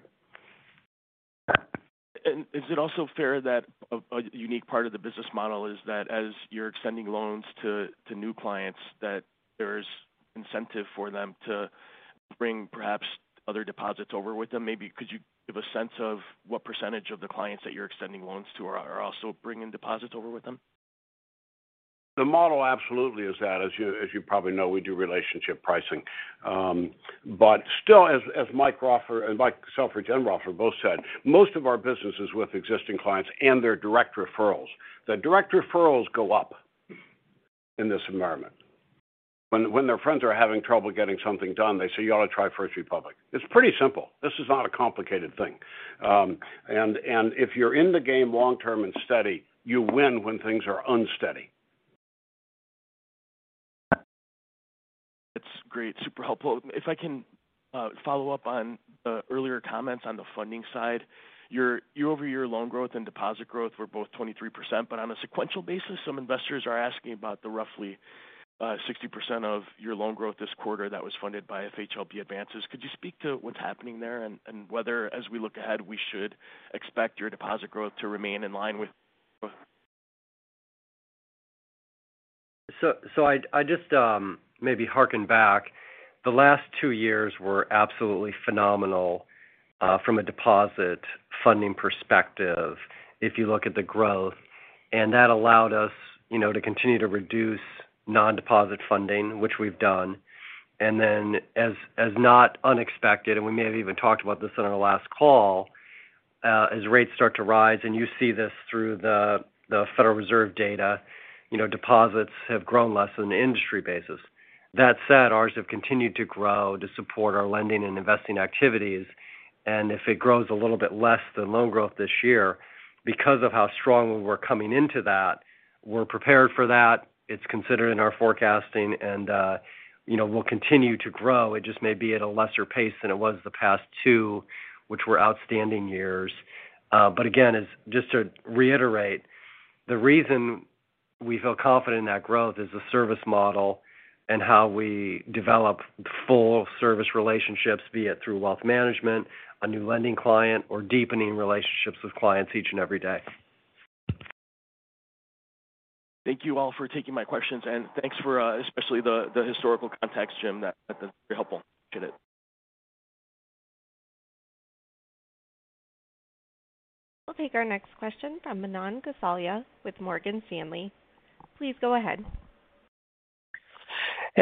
Speaker 13: Is it also fair that a unique part of the business model is that as you're extending loans to new clients, that there's incentive for them to bring perhaps other deposits over with them? Maybe could you give a sense of what percentage of the clients that you're extending loans to are also bringing deposits over with them?
Speaker 3: The model absolutely is that. As you probably know, we do relationship pricing. But still, as Mike Selfridge and Mike Roffler both said, most of our business is with existing clients and their direct referrals. The direct referrals go up in this environment. When their friends are having trouble getting something done, they say, "You ought to try First Republic." It's pretty simple. This is not a complicated thing. If you're in the game long-term and steady, you win when things are unsteady.
Speaker 13: That's great. Super helpful. If I can follow up on earlier comments on the funding side. Your year-over-year loan growth and deposit growth were both 23%. On a sequential basis, some investors are asking about the roughly 60% of your loan growth this quarter that was funded by FHLB advances. Could you speak to what's happening there and whether as we look ahead, we should expect your deposit growth to remain in line with?
Speaker 4: I just maybe harken back. The last 2 years were absolutely phenomenal from a deposit funding perspective if you look at the growth. That allowed us, you know, to continue to reduce non-deposit funding, which we've done. As not unexpected, and we may have even talked about this on our last call, as rates start to rise, and you see this through the Federal Reserve data, you know, deposits have grown less than the industry basis. That said, ours have continued to grow to support our lending and investing activities. If it grows a little bit less than loan growth this year because of how strong we were coming into that, we're prepared for that. It's considered in our forecasting, and, you know, we'll continue to grow. It just may be at a lesser pace than it was the past two, which were outstanding years. Again, just to reiterate, the reason we feel confident in that growth is the service model and how we develop full service relationships, be it through wealth management, a new lending client, or deepening relationships with clients each and every day.
Speaker 13: Thank you all for taking my questions, and thanks for especially the historical context, Jim. That's very helpful. Appreciate it.
Speaker 1: We'll take our next question from Manan Gosalia with Morgan Stanley. Please go ahead.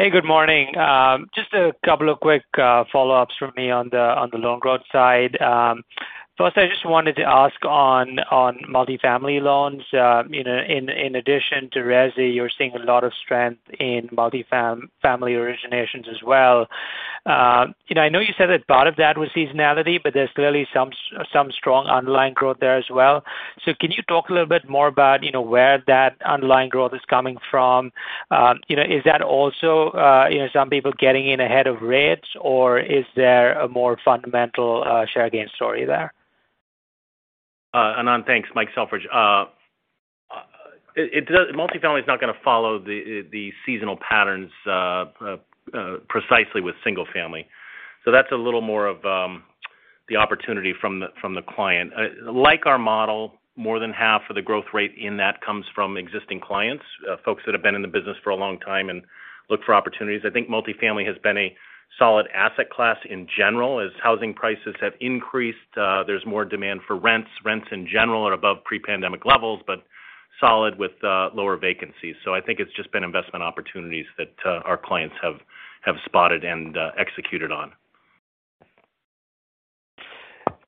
Speaker 14: Hey, good morning. Just a couple of quick follow-ups from me on the loan growth side. First, I just wanted to ask on multifamily loans. You know, in addition to resi, you're seeing a lot of strength in multifamily originations as well. You know, I know you said that part of that was seasonality, but there's clearly some strong underlying growth there as well. Can you talk a little bit more about, you know, where that underlying growth is coming from? You know, is that also, you know, some people getting in ahead of rates, or is there a more fundamental share gain story there?
Speaker 5: Manan, thanks. Mike Selfridge. Multifamily is not gonna follow the seasonal patterns precisely with single family. That's a little more of the opportunity from the client. Like our model, more than half of the growth rate in that comes from existing clients, folks that have been in the business for a long time and look for opportunities. I think multifamily has been a solid asset class in general. As housing prices have increased, there's more demand for rents. Rents in general are above pre-pandemic levels, but solid with lower vacancies. I think it's just been investment opportunities that our clients have spotted and executed on.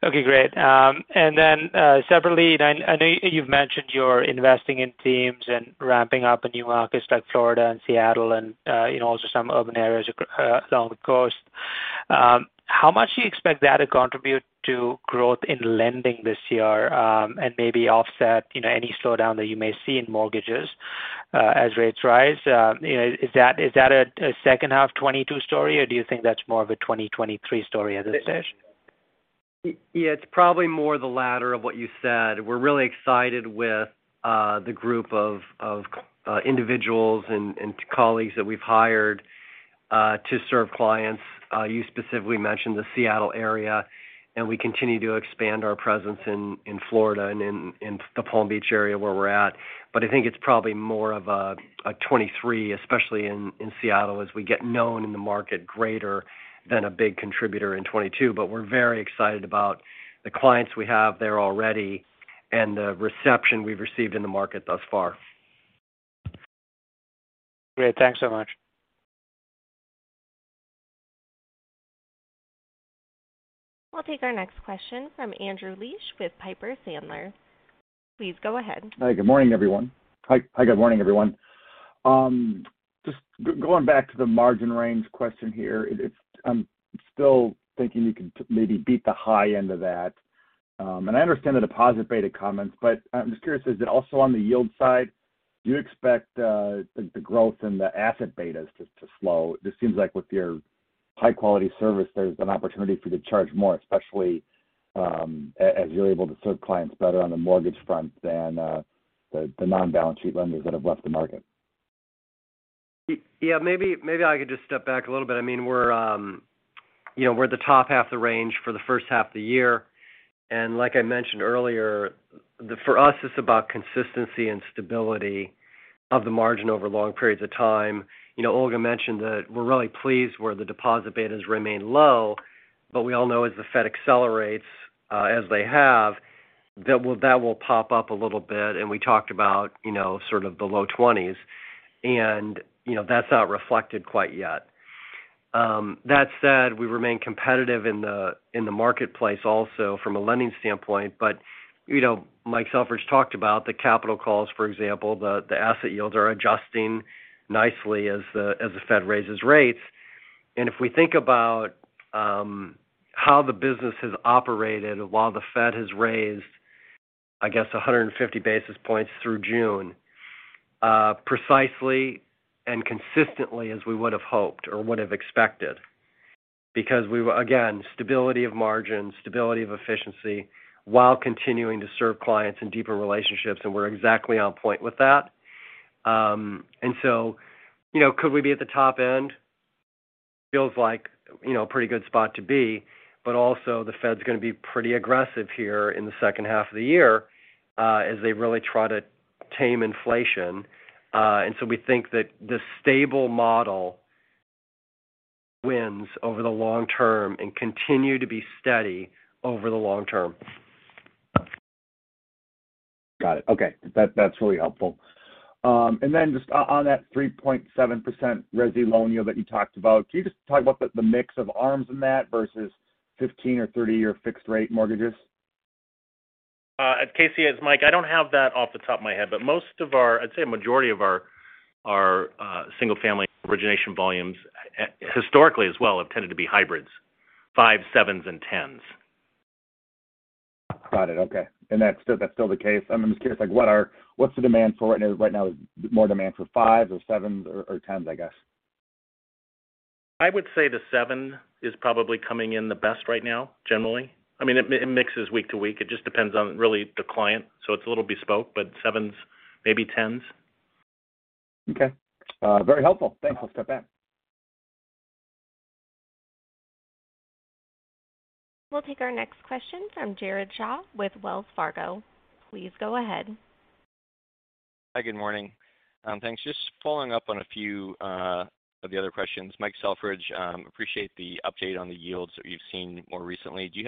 Speaker 14: Okay, great. Separately, I know you've mentioned you're investing in teams and ramping up in new markets like Florida and Seattle and, you know, also some urban areas along the coast. How much do you expect that to contribute to growth in lending this year, and maybe offset, you know, any slowdown that you may see in mortgages, as rates rise? You know, is that a second half 2022 story, or do you think that's more of a 2023 story at this stage?
Speaker 4: Yeah, it's probably more the latter of what you said. We're really excited with the group of individuals and colleagues that we've hired to serve clients. You specifically mentioned the Seattle area, and we continue to expand our presence in Florida and in the Palm Beach area where we're at. I think it's probably more of a 2023, especially in Seattle as we get known in the market greater than a big contributor in 2022. We're very excited about the clients we have there already and the reception we've received in the market thus far.
Speaker 14: Great. Thanks so much.
Speaker 1: We'll take our next question from Andrew Liesch with Piper Sandler. Please go ahead.
Speaker 15: Hi, good morning, everyone. Just going back to the margin range question here. It's. I'm still thinking you can maybe beat the high end of that. I understand the deposit beta comments, but I'm just curious, is it also on the yield side? Do you expect the growth in the asset betas to slow? This seems like with your high-quality service, there's an opportunity for you to charge more, especially as you're able to serve clients better on the mortgage front than the non-bank lenders that have left the market.
Speaker 4: Yeah, maybe I could just step back a little bit. I mean, you know, we're at the top half of the range for the first half of the year. Like I mentioned earlier, for us, it's about consistency and stability of the margin over long periods of time. You know, Olga mentioned that we're really pleased where the deposit betas remain low, but we all know as the Fed accelerates, as they have, that will pop up a little bit. We talked about, you know, sort of the low twenties and, you know, that's not reflected quite yet. That said, we remain competitive in the marketplace also from a lending standpoint. You know, Mike Selfridge talked about the capital calls, for example. The asset yields are adjusting nicely as the Fed raises rates. If we think about how the business has operated while the Fed has raised, I guess, 150 basis points through June, precisely and consistently as we would have hoped or would have expected. Because we again, stability of margin, stability of efficiency while continuing to serve clients in deeper relationships, and we're exactly on point with that. You know, could we be at the top end? Feels like, you know, a pretty good spot to be, but also the Fed's gonna be pretty aggressive here in the second half of the year, as they really try to tame inflation. We think that the stable model wins over the long term and continue to be steady over the long term.
Speaker 15: Got it. Okay. That, that's really helpful. And then just on that 3.7% resi loan yield that you talked about. Can you just talk about the mix of ARMs in that versus 15- or 30-year fixed rate mortgages?
Speaker 5: Casey, it's Mike. I don't have that off the top of my head, but most of our, I'd say a majority of our single-family origination volumes, historically as well, have tended to be hybrids, 5's, 7's, and 10's.
Speaker 15: Got it. Okay. That's still the case. I'm just curious, like, what's the demand for it? Right now is more demand for 5's or 7's or 10's, I guess.
Speaker 5: I would say the 7 is probably coming in the best right now, generally. I mean, it mixes week to week. It just depends on really the client. It's a little bespoke, but 7s, maybe 10s.
Speaker 15: Okay. Very helpful. Thanks. I'll step back.
Speaker 1: We'll take our next question from Jared Shaw with Wells Fargo. Please go ahead.
Speaker 16: Hi, good morning. Thanks. Just following up on a few of the other questions. Mike Selfridge, appreciate the update on the yields that you've seen more recently. Do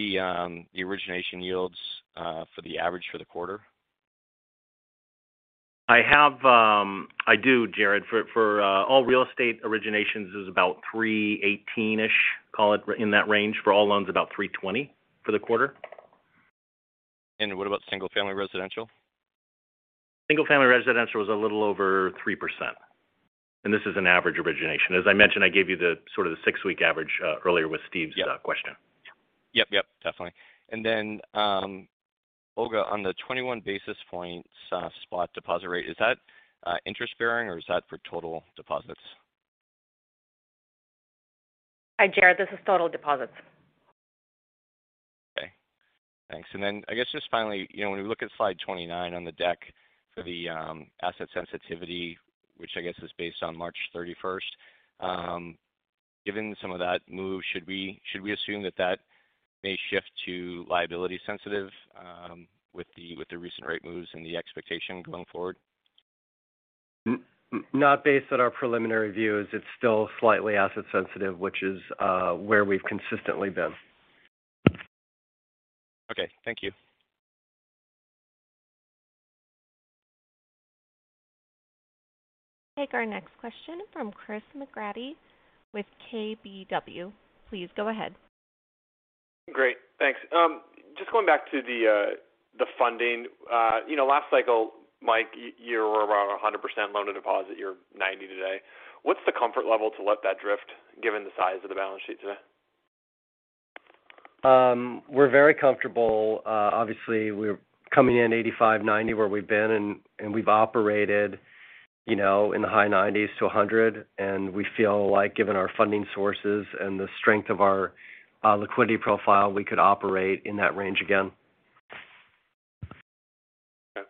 Speaker 16: you have the origination yields for the average for the quarter?
Speaker 4: I do, Jared. For all real estate originations is about 3.18%-ish, call it in that range. For all loans, about 3.20% for the quarter.
Speaker 16: What about single-family residential?
Speaker 4: Single-family residential was a little over 3%. This is an average origination. As I mentioned, I gave you sort of the 6 week average, earlier with Steven's-
Speaker 16: Yeah.
Speaker 4: -question.
Speaker 16: Yep, definitely. Olga, on the 21 basis points spot deposit rate, is that interest-bearing or is that for total deposits?
Speaker 7: Hi, Jared. This is total deposits.
Speaker 16: Okay. Thanks. I guess just finally, you know, when we look at Slide 29 on the deck for the asset sensitivity, which I guess is based on March 31st, given some of that move, should we assume that may shift to liability sensitive, with the recent rate moves and the expectation going forward?
Speaker 4: Not based on our preliminary views. It's still slightly asset sensitive, which is where we've consistently been.
Speaker 16: Okay. Thank you.
Speaker 1: Take our next question from Chris McGratty with KBW. Please go ahead.
Speaker 17: Great. Thanks. Just going back to the funding. You know, last cycle, Mike, you were around 100% loan-to-deposit. You're 90 today. What's the comfort level to let that drift given the size of the balance sheet today?
Speaker 4: We're very comfortable. Obviously, we're coming in 85%-90% where we've been and we've operated, you know, in the high 90s-100%. We feel like given our funding sources and the strength of our liquidity profile, we could operate in that range again.
Speaker 17: Okay.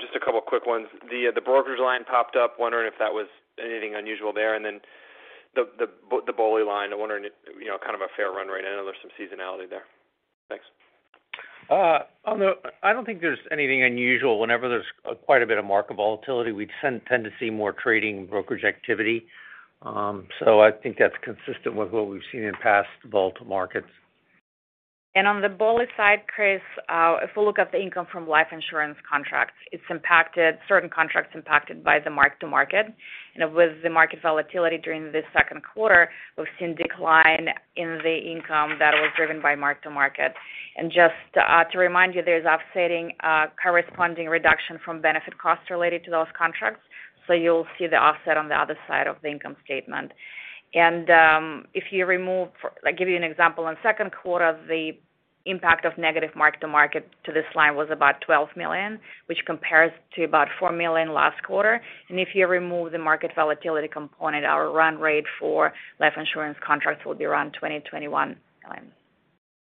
Speaker 17: Just a couple quick ones. The brokerage line popped up, wondering if that was anything unusual there. The BOLI line, I'm wondering if, you know, kind of a fair run rate. I know there's some seasonality there. Thanks.
Speaker 4: I don't think there's anything unusual. Whenever there's quite a bit of market volatility, we tend to see more trading brokerage activity. I think that's consistent with what we've seen in past volatile markets.
Speaker 7: On the BOLI side, Chris, if we look at the income from life insurance contracts, it's impacted by the mark-to-market on certain contracts. With the market volatility during the 2nd quarter, we've seen decline in the income that was driven by mark-to-market. Just to remind you, there's offsetting corresponding reduction from benefit costs related to those contracts. You'll see the offset on the other side of the income statement. I'll give you an example. In the 2nd quarter, the impact of negative mark-to-market to this line was about $12 million, which compares to about $4 million last quarter. If you remove the market volatility component, our run rate for life insurance contracts will be around $20-$21 million.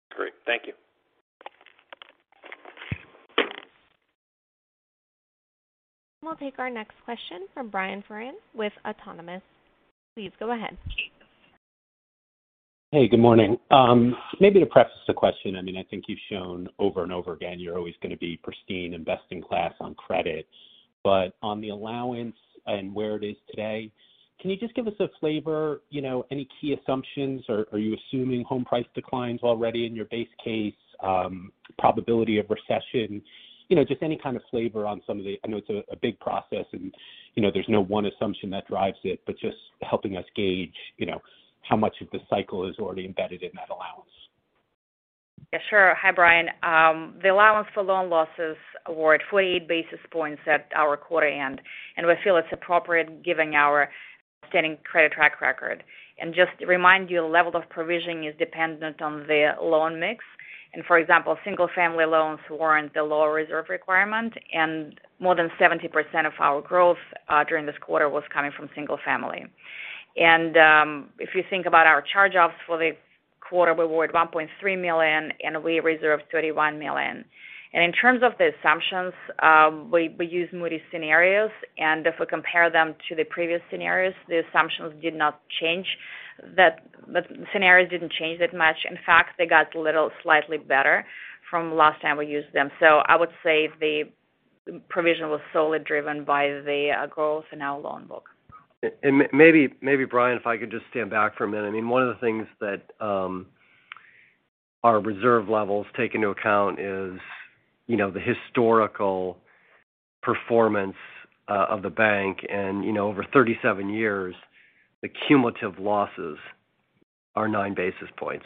Speaker 17: Great. Thank you.
Speaker 1: We'll take our next question from Brian Foran with Autonomous. Please go ahead.
Speaker 18: Hey, good morning. Maybe to preface the question, I mean, I think you've shown over and over again you're always gonna be pristine investing class on credit. But on the allowance and where it is today, can you just give us a flavor, you know, any key assumptions, or are you assuming home price declines already in your base case, probability of recession? You know, just any kind of flavor on some of them. I know it's a big process and, you know, there's no one assumption that drives it, but just helping us gauge, you know, how much of this cycle is already embedded in that allowance.
Speaker 7: Yeah, sure. Hi, Brian. The allowance for loan losses were at 48 basis points at our quarter end, and we feel it's appropriate given our standing credit track record. Just to remind you, the level of provisioning is dependent on the loan mix. For example, single family loans warrant the lower reserve requirement, and more than 70% of our growth during this quarter was coming from single family. If you think about our charge-offs for the quarter, we were at $1.3 million, and we reserved $31 million. In terms of the assumptions, we use Moody's scenarios, and if we compare them to the previous scenarios, the assumptions did not change. The scenarios didn't change that much. In fact, they got a little slightly better from last time we used them. I would say the provision was solely driven by the growth in our loan book.
Speaker 4: Maybe, Brian, if I could just stand back for a minute. I mean, one of the things that our reserve levels take into account is you know, the historical performance of the bank. You know, over 37 years, the cumulative losses are 9 basis points.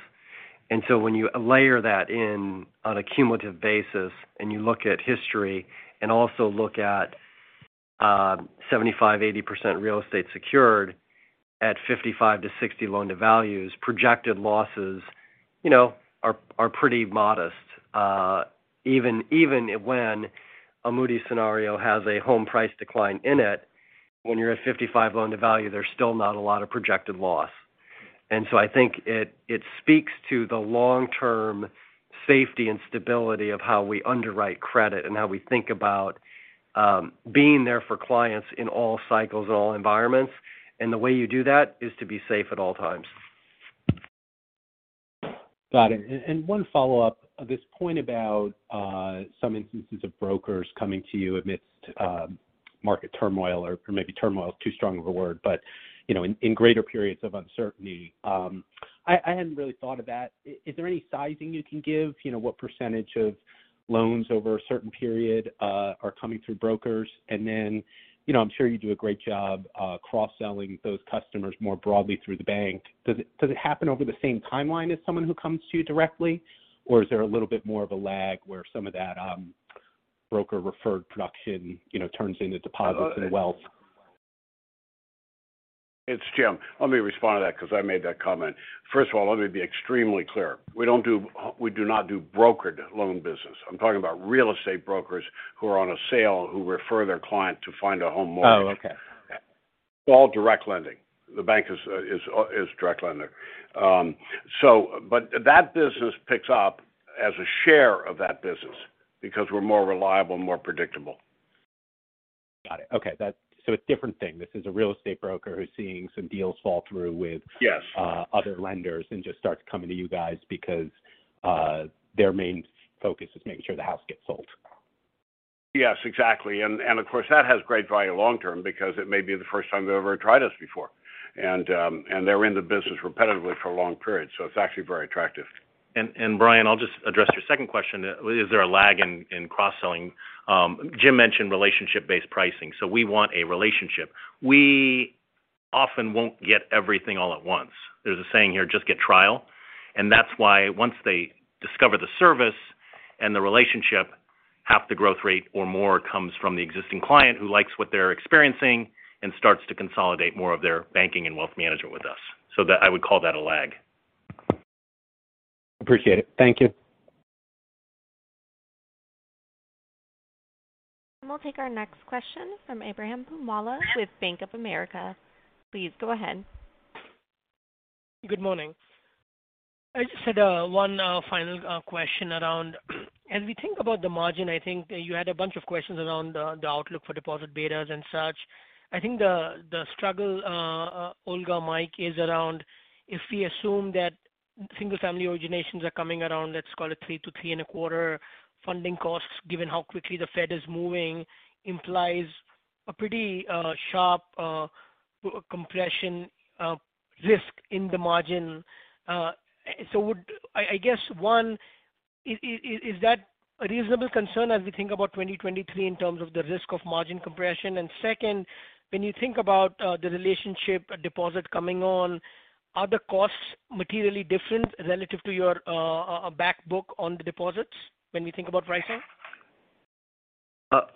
Speaker 4: When you layer that in on a cumulative basis and you look at history and also look at 75-80% real estate secured at 55-60 loan-to-value, projected losses you know, are pretty modest. Even when a Moody's scenario has a home price decline in it, when you're at 55 loan-to-value, there's still not a lot of projected loss. I think it speaks to the long-term safety and stability of how we underwrite credit and how we think about being there for clients in all cycles, in all environments. The way you do that is to be safe at all times.
Speaker 18: Got it. One follow-up. This point about some instances of brokers coming to you amidst market turmoil or maybe turmoil is too strong of a word, but you know in greater periods of uncertainty I hadn't really thought of that. Is there any sizing you can give? You know, what percentage of loans over a certain period are coming through brokers? Then you know I'm sure you do a great job cross-selling those customers more broadly through the bank. Does it happen over the same timeline as someone who comes to you directly, or is there a little bit more of a lag where some of that broker-referred production you know turns into deposits and wealth?
Speaker 3: It's Jim. Let me respond to that because I made that comment. First of all, let me be extremely clear. We do not do brokered loan business. I'm talking about real estate brokers who are on a sale who refer their client to find a home mortgage.
Speaker 18: Oh, okay.
Speaker 3: It's all direct lending. The bank is direct lending. That business picks up as a share of that business because we're more reliable and more predictable.
Speaker 18: Got it. Okay. It's different thing. This is a real estate broker who's seeing some deals fall through with-
Speaker 3: Yes.
Speaker 18: Other lenders and just start coming to you guys because their main focus is making sure the house gets sold.
Speaker 3: Yes, exactly. Of course, that has great value long term because it may be the first time they've ever tried us before. They're in the business repetitively for a long period, so it's actually very attractive.
Speaker 4: Brian, I'll just address your second question. Is there a lag in cross-selling? Jim mentioned relationship-based pricing. We want a relationship. We often won't get everything all at once. There's a saying here, just get trial. That's why once they discover the service and the relationship, half the growth rate or more comes from the existing client who likes what they're experiencing and starts to consolidate more of their banking and wealth management with us. That I would call that a lag.
Speaker 18: Appreciate it. Thank you.
Speaker 1: We'll take our next question from Ebrahim Poonawala with Bank of America. Please go ahead.
Speaker 19: Good morning. I just had one final question around as we think about the margin. I think you had a bunch of questions around the outlook for deposit betas and such. I think the struggle, Olga, Mike is around if we assume that single-family originations are coming around, let's call it 3%-3.25% funding costs, given how quickly the Fed is moving, implies a pretty sharp compression or risk in the margin. I guess one is that a reasonable concern as we think about 2023 in terms of the risk of margin compression? Second, when you think about the relationship deposit coming on, are the costs materially different relative to your back book on the deposits when you think about pricing?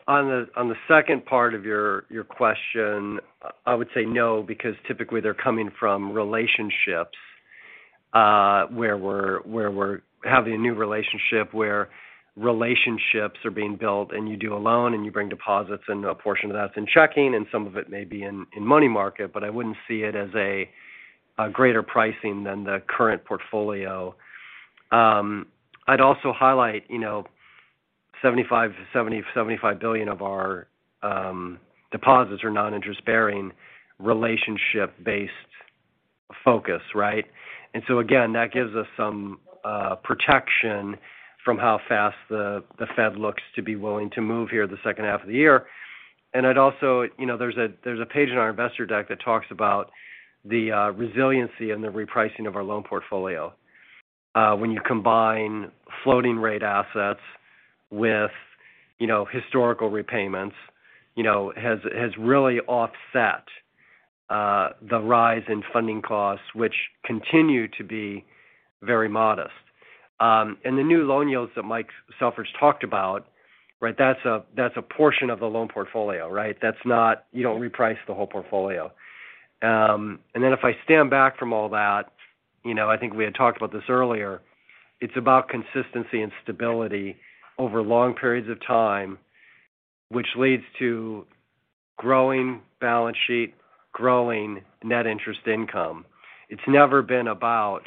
Speaker 4: On the second part of your question, I would say no, because typically they're coming from relationships where we're having a new relationship, where relationships are being built, and you do a loan, and you bring deposits, and a portion of that's in checking, and some of it may be in money market. But I wouldn't see it as a greater pricing than the current portfolio. I'd also highlight, you know, $75 billion of our deposits are non-interest-bearing relationship-based focus, right? That gives us some protection from how fast the Fed looks to be willing to move here the second half of the year. I'd also, you know, there's a page in our investor deck that talks about the resiliency and the repricing of our loan portfolio. When you combine floating rate assets with, you know, historical repayments, you know, has really offset the rise in funding costs, which continue to be very modest. The new loan yields that Mike Selfridge talked about, right, that's a portion of the loan portfolio, right? That's not, you don't reprice the whole portfolio. If I stand back from all that, you know, I think we had talked about this earlier, it's about consistency and stability over long periods of time, which leads to growing balance sheet, growing net interest income. It's never been about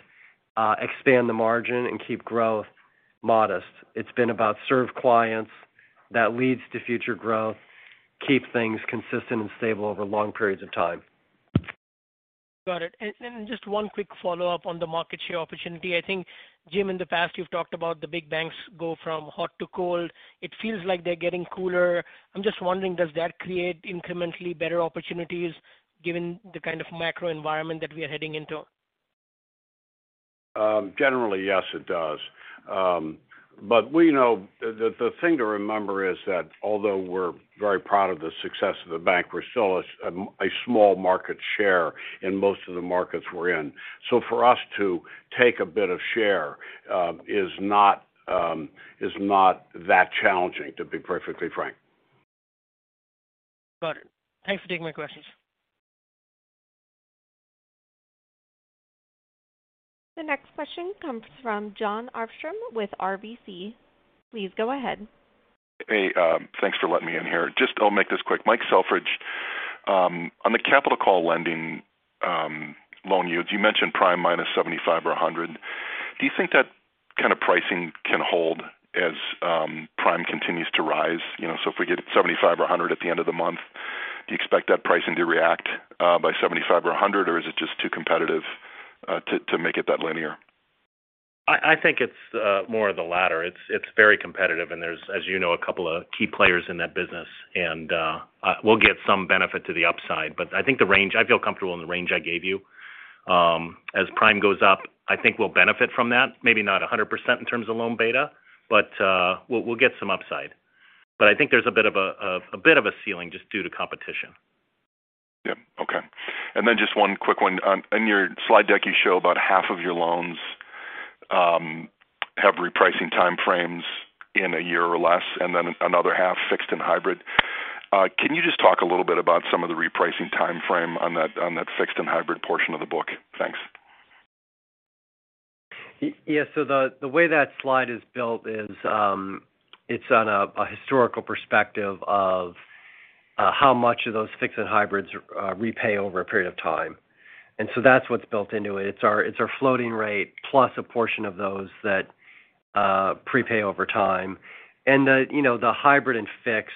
Speaker 4: expand the margin and keep growth modest. It's been about serve clients that leads to future growth, keep things consistent and stable over long periods of time.
Speaker 19: Got it. Just one quick follow-up on the market share opportunity. I think, Jim, in the past, you've talked about the big banks go from hot to cold. It feels like they're getting cooler. I'm just wondering, does that create incrementally better opportunities given the kind of macro environment that we are heading into?
Speaker 3: Generally, yes, it does. But we know the thing to remember is that although we're very proud of the success of the bank, we're still a small market share in most of the markets we're in. For us to take a bit of share is not that challenging, to be perfectly frank.
Speaker 19: Got it. Thanks for taking my questions.
Speaker 1: The next question comes from Jon Arfstrom with RBC. Please go ahead.
Speaker 20: Hey, thanks for letting me in here. Just I'll make this quick. Mike Selfridge, on the capital call lending, loan yields, you mentioned prime minus 75 or 100. Do you think that kind of pricing can hold as prime continues to rise? You know, so if we get 75 or 100 at the end of the month, do you expect that pricing to react by 75 or 100, or is it just too competitive to make it that linear?
Speaker 5: I think it's more of the latter. It's very competitive and there's, as you know, a couple of key players in that business, and we'll get some benefit to the upside. I think the range. I feel comfortable in the range I gave you. As prime goes up, I think we'll benefit from that, maybe not 100% in terms of loan beta, but we'll get some upside. I think there's a bit of a ceiling just due to competition.
Speaker 20: Yeah. Okay. Just one quick one. In your slide deck, you show about half of your loans have repricing time frames in a year or less, and then another half fixed and hybrid. Can you just talk a little bit about some of the repricing time frame on that fixed and hybrid portion of the book? Thanks.
Speaker 4: Yes. So the way that slide is built is it's on a historical perspective of how much of those fixed and hybrids repay over a period of time. That's what's built into it. It's our floating rate, plus a portion of those that prepay over time. The, you know, the hybrid and fixed,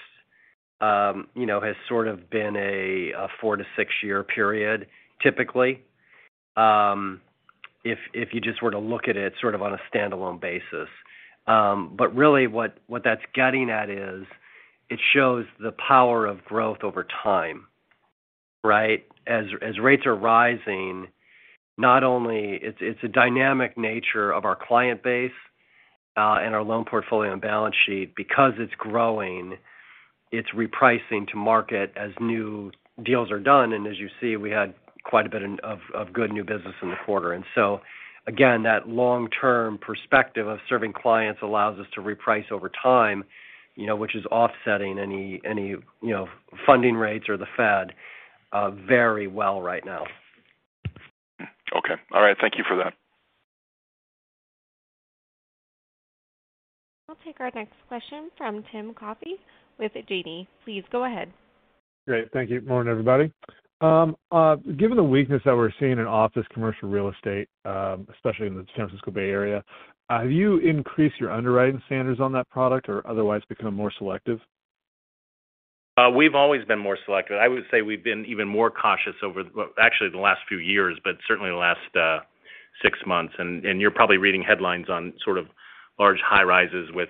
Speaker 4: you know, has sort of been a 4-6-year period, typically. If you just were to look at it sort of on a standalone basis. Really what that's getting at is it shows the power of growth over time, right? As rates are rising, not only it's a dynamic nature of our client base and our loan portfolio and balance sheet because it's growing, it's repricing to market as new deals are done. As you see, we had quite a bit of good new business in the quarter. Again, that long-term perspective of serving clients allows us to reprice over time, you know, which is offsetting any you know, funding rates or the Fed very well right now.
Speaker 20: Okay. All right. Thank you for that.
Speaker 1: We'll take our next question from Tim Coffey with D.A. Davidson. Please go ahead.
Speaker 21: Great. Thank you. Morning, everybody. Given the weakness that we're seeing in office commercial real estate, especially in the San Francisco Bay Area, have you increased your underwriting standards on that product or otherwise become more selective?
Speaker 5: We've always been more selective. I would say we've been even more cautious over the, well, actually the last few years, but certainly the last, Six months. You're probably reading headlines on sort of large high-rises with,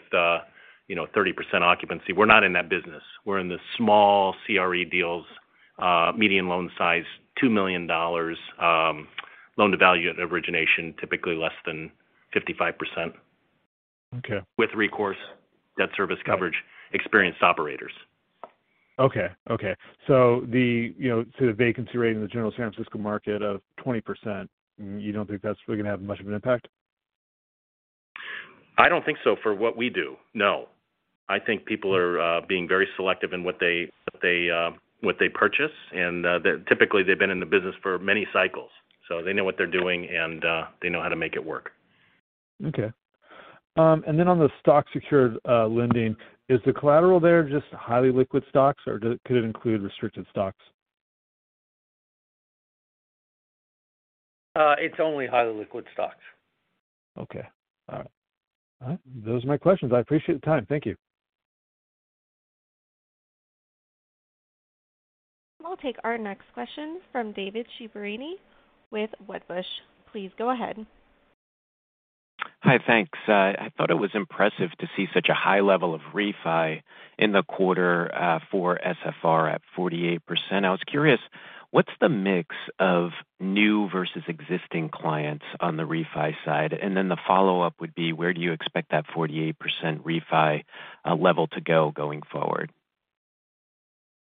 Speaker 5: you know, 30% occupancy. We're not in that business. We're in the small CRE deals, median loan size $2 million, loan-to-value at origination, typically less than 55%.
Speaker 21: Okay.
Speaker 5: With recourse, debt service coverage, experienced operators.
Speaker 21: Okay, okay. The, you know, sort of vacancy rate in the general San Francisco market of 20%, you don't think that's really gonna have much of an impact?
Speaker 5: I don't think so for what we do, no. I think people are being very selective in what they purchase. They're typically, they've been in the business for many cycles, so they know what they're doing and they know how to make it work.
Speaker 21: On the stock-secured lending, is the collateral there just highly liquid stocks or could it include restricted stocks?
Speaker 5: It's only highly liquid stocks.
Speaker 21: Okay. All right. Those are my questions. I appreciate the time. Thank you.
Speaker 1: We'll take our next question from David Chiaverini with Wedbush. Please go ahead.
Speaker 22: Hi, thanks. I thought it was impressive to see such a high level of refi in the quarter, for SFR at 48%. I was curious, what's the mix of new versus existing clients on the refi side? The follow-up would be, where do you expect that 48% refi level to go going forward?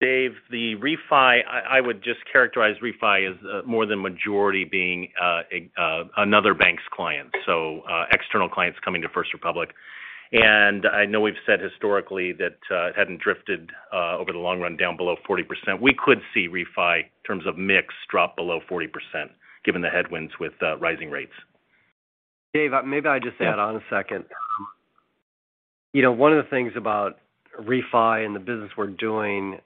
Speaker 5: Dave, the refi, I would just characterize refi as more than majority being another bank's client, so external clients coming to First Republic. I know we've said historically that it hadn't drifted over the long run down below 40%. We could see refi in terms of mix drop below 40% given the headwinds with rising rates.
Speaker 4: Dave, maybe I'd just add on a second. You know, one of the things about refi and the business we're doing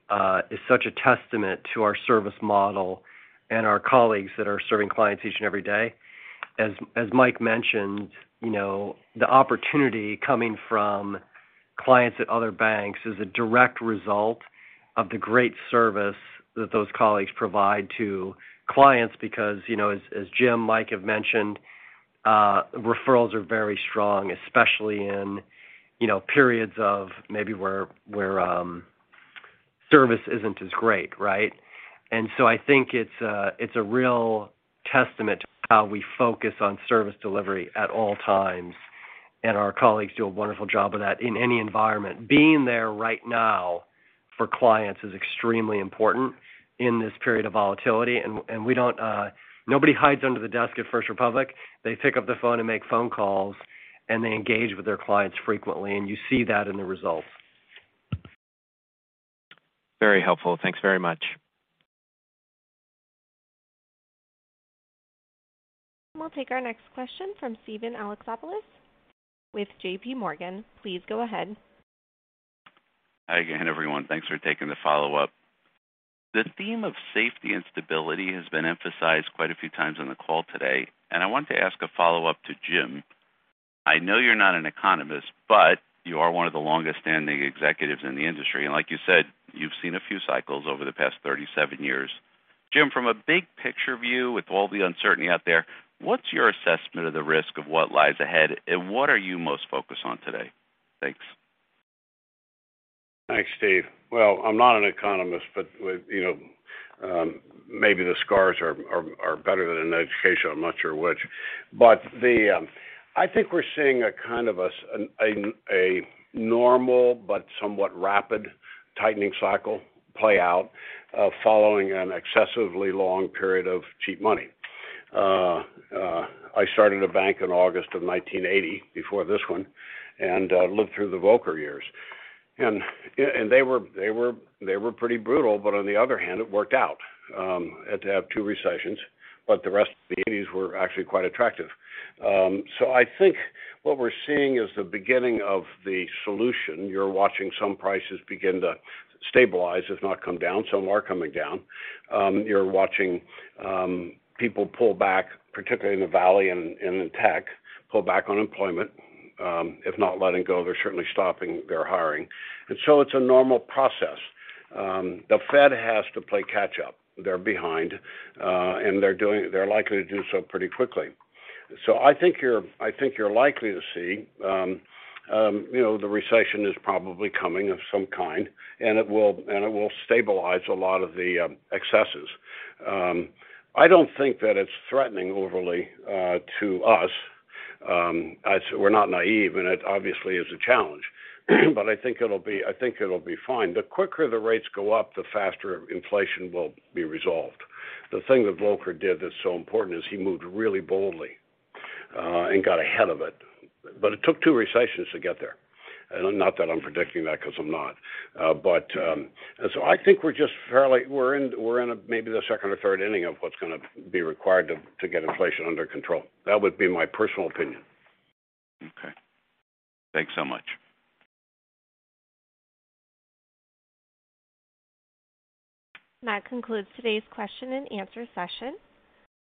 Speaker 4: is such a testament to our service model and our colleagues that are serving clients each and every day. As Mike mentioned, you know, the opportunity coming from clients at other banks is a direct result of the great service that those colleagues provide to clients because, you know, as Jim, Mike have mentioned, referrals are very strong, especially in, you know, periods of maybe where service isn't as great, right? I think it's a real testament to how we focus on service delivery at all times, and our colleagues do a wonderful job of that in any environment. Being there right now for clients is extremely important in this period of volatility, and we don't. Nobody hides under the desk at First Republic. They pick up the phone and make phone calls, and they engage with their clients frequently, and you see that in the results.
Speaker 22: Very helpful. Thanks very much.
Speaker 1: We'll take our next question from Steven Alexopoulos with JPMorgan. Please go ahead.
Speaker 8: Hi again, everyone. Thanks for taking the follow-up. The theme of safety and stability has been emphasized quite a few times on the call today, and I wanted to ask a follow-up to Jim. I know you're not an economist, but you are one of the longest-standing executives in the industry. Like you said, you've seen a few cycles over the past 37 years. Jim, from a big-picture view, with all the uncertainty out there, what's your assessment of the risk of what lies ahead, and what are you most focused on today? Thanks.
Speaker 3: Thanks, Steve. Well, I'm not an economist, but, you know, maybe the scars are better than an education. I'm not sure which. I think we're seeing a kind of a normal but somewhat rapid tightening cycle play out, following an excessively long period of cheap money. I started a bank in August of 1980 before this one and lived through the Volcker years. They were pretty brutal, but on the other hand, it worked out. Had to have 2 recessions, but the rest of the 1980s were actually quite attractive. I think what we're seeing is the beginning of the solution. You're watching some prices begin to stabilize, if not come down. Some are coming down. You're watching people pull back, particularly in the Valley and in tech, pull back on employment. If not letting go, they're certainly stopping their hiring. It's a normal process. The Fed has to play catch-up. They're behind, and they're likely to do so pretty quickly. I think you're likely to see, you know, the recession is probably coming of some kind, and it will stabilize a lot of the excesses. I don't think that it's threatening overly to us. We're not naive, and it obviously is a challenge, but I think it'll be fine. The quicker the rates go up, the faster inflation will be resolved. The thing that Volcker did that's so important is he moved really boldly and got ahead of it, but it took 2 recessions to get there. Not that I'm predicting that because I'm not. I think we're just in what may be the 2nd or 3rd inning of what's gonna be required to get inflation under control. That would be my personal opinion.
Speaker 8: Okay. Thanks so much.
Speaker 1: That concludes today's question and answer session.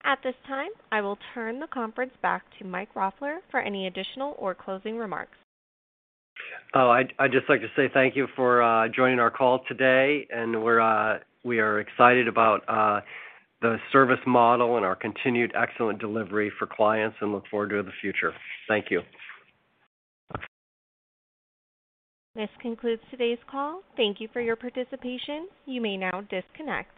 Speaker 1: At this time, I will turn the conference back to Mike Roffler for any additional or closing remarks.
Speaker 4: Oh, I'd just like to say thank you for joining our call today, and we are excited about the service model and our continued excellent delivery for clients and look forward to the future. Thank you.
Speaker 1: This concludes today's call. Thank you for your participation. You may now disconnect.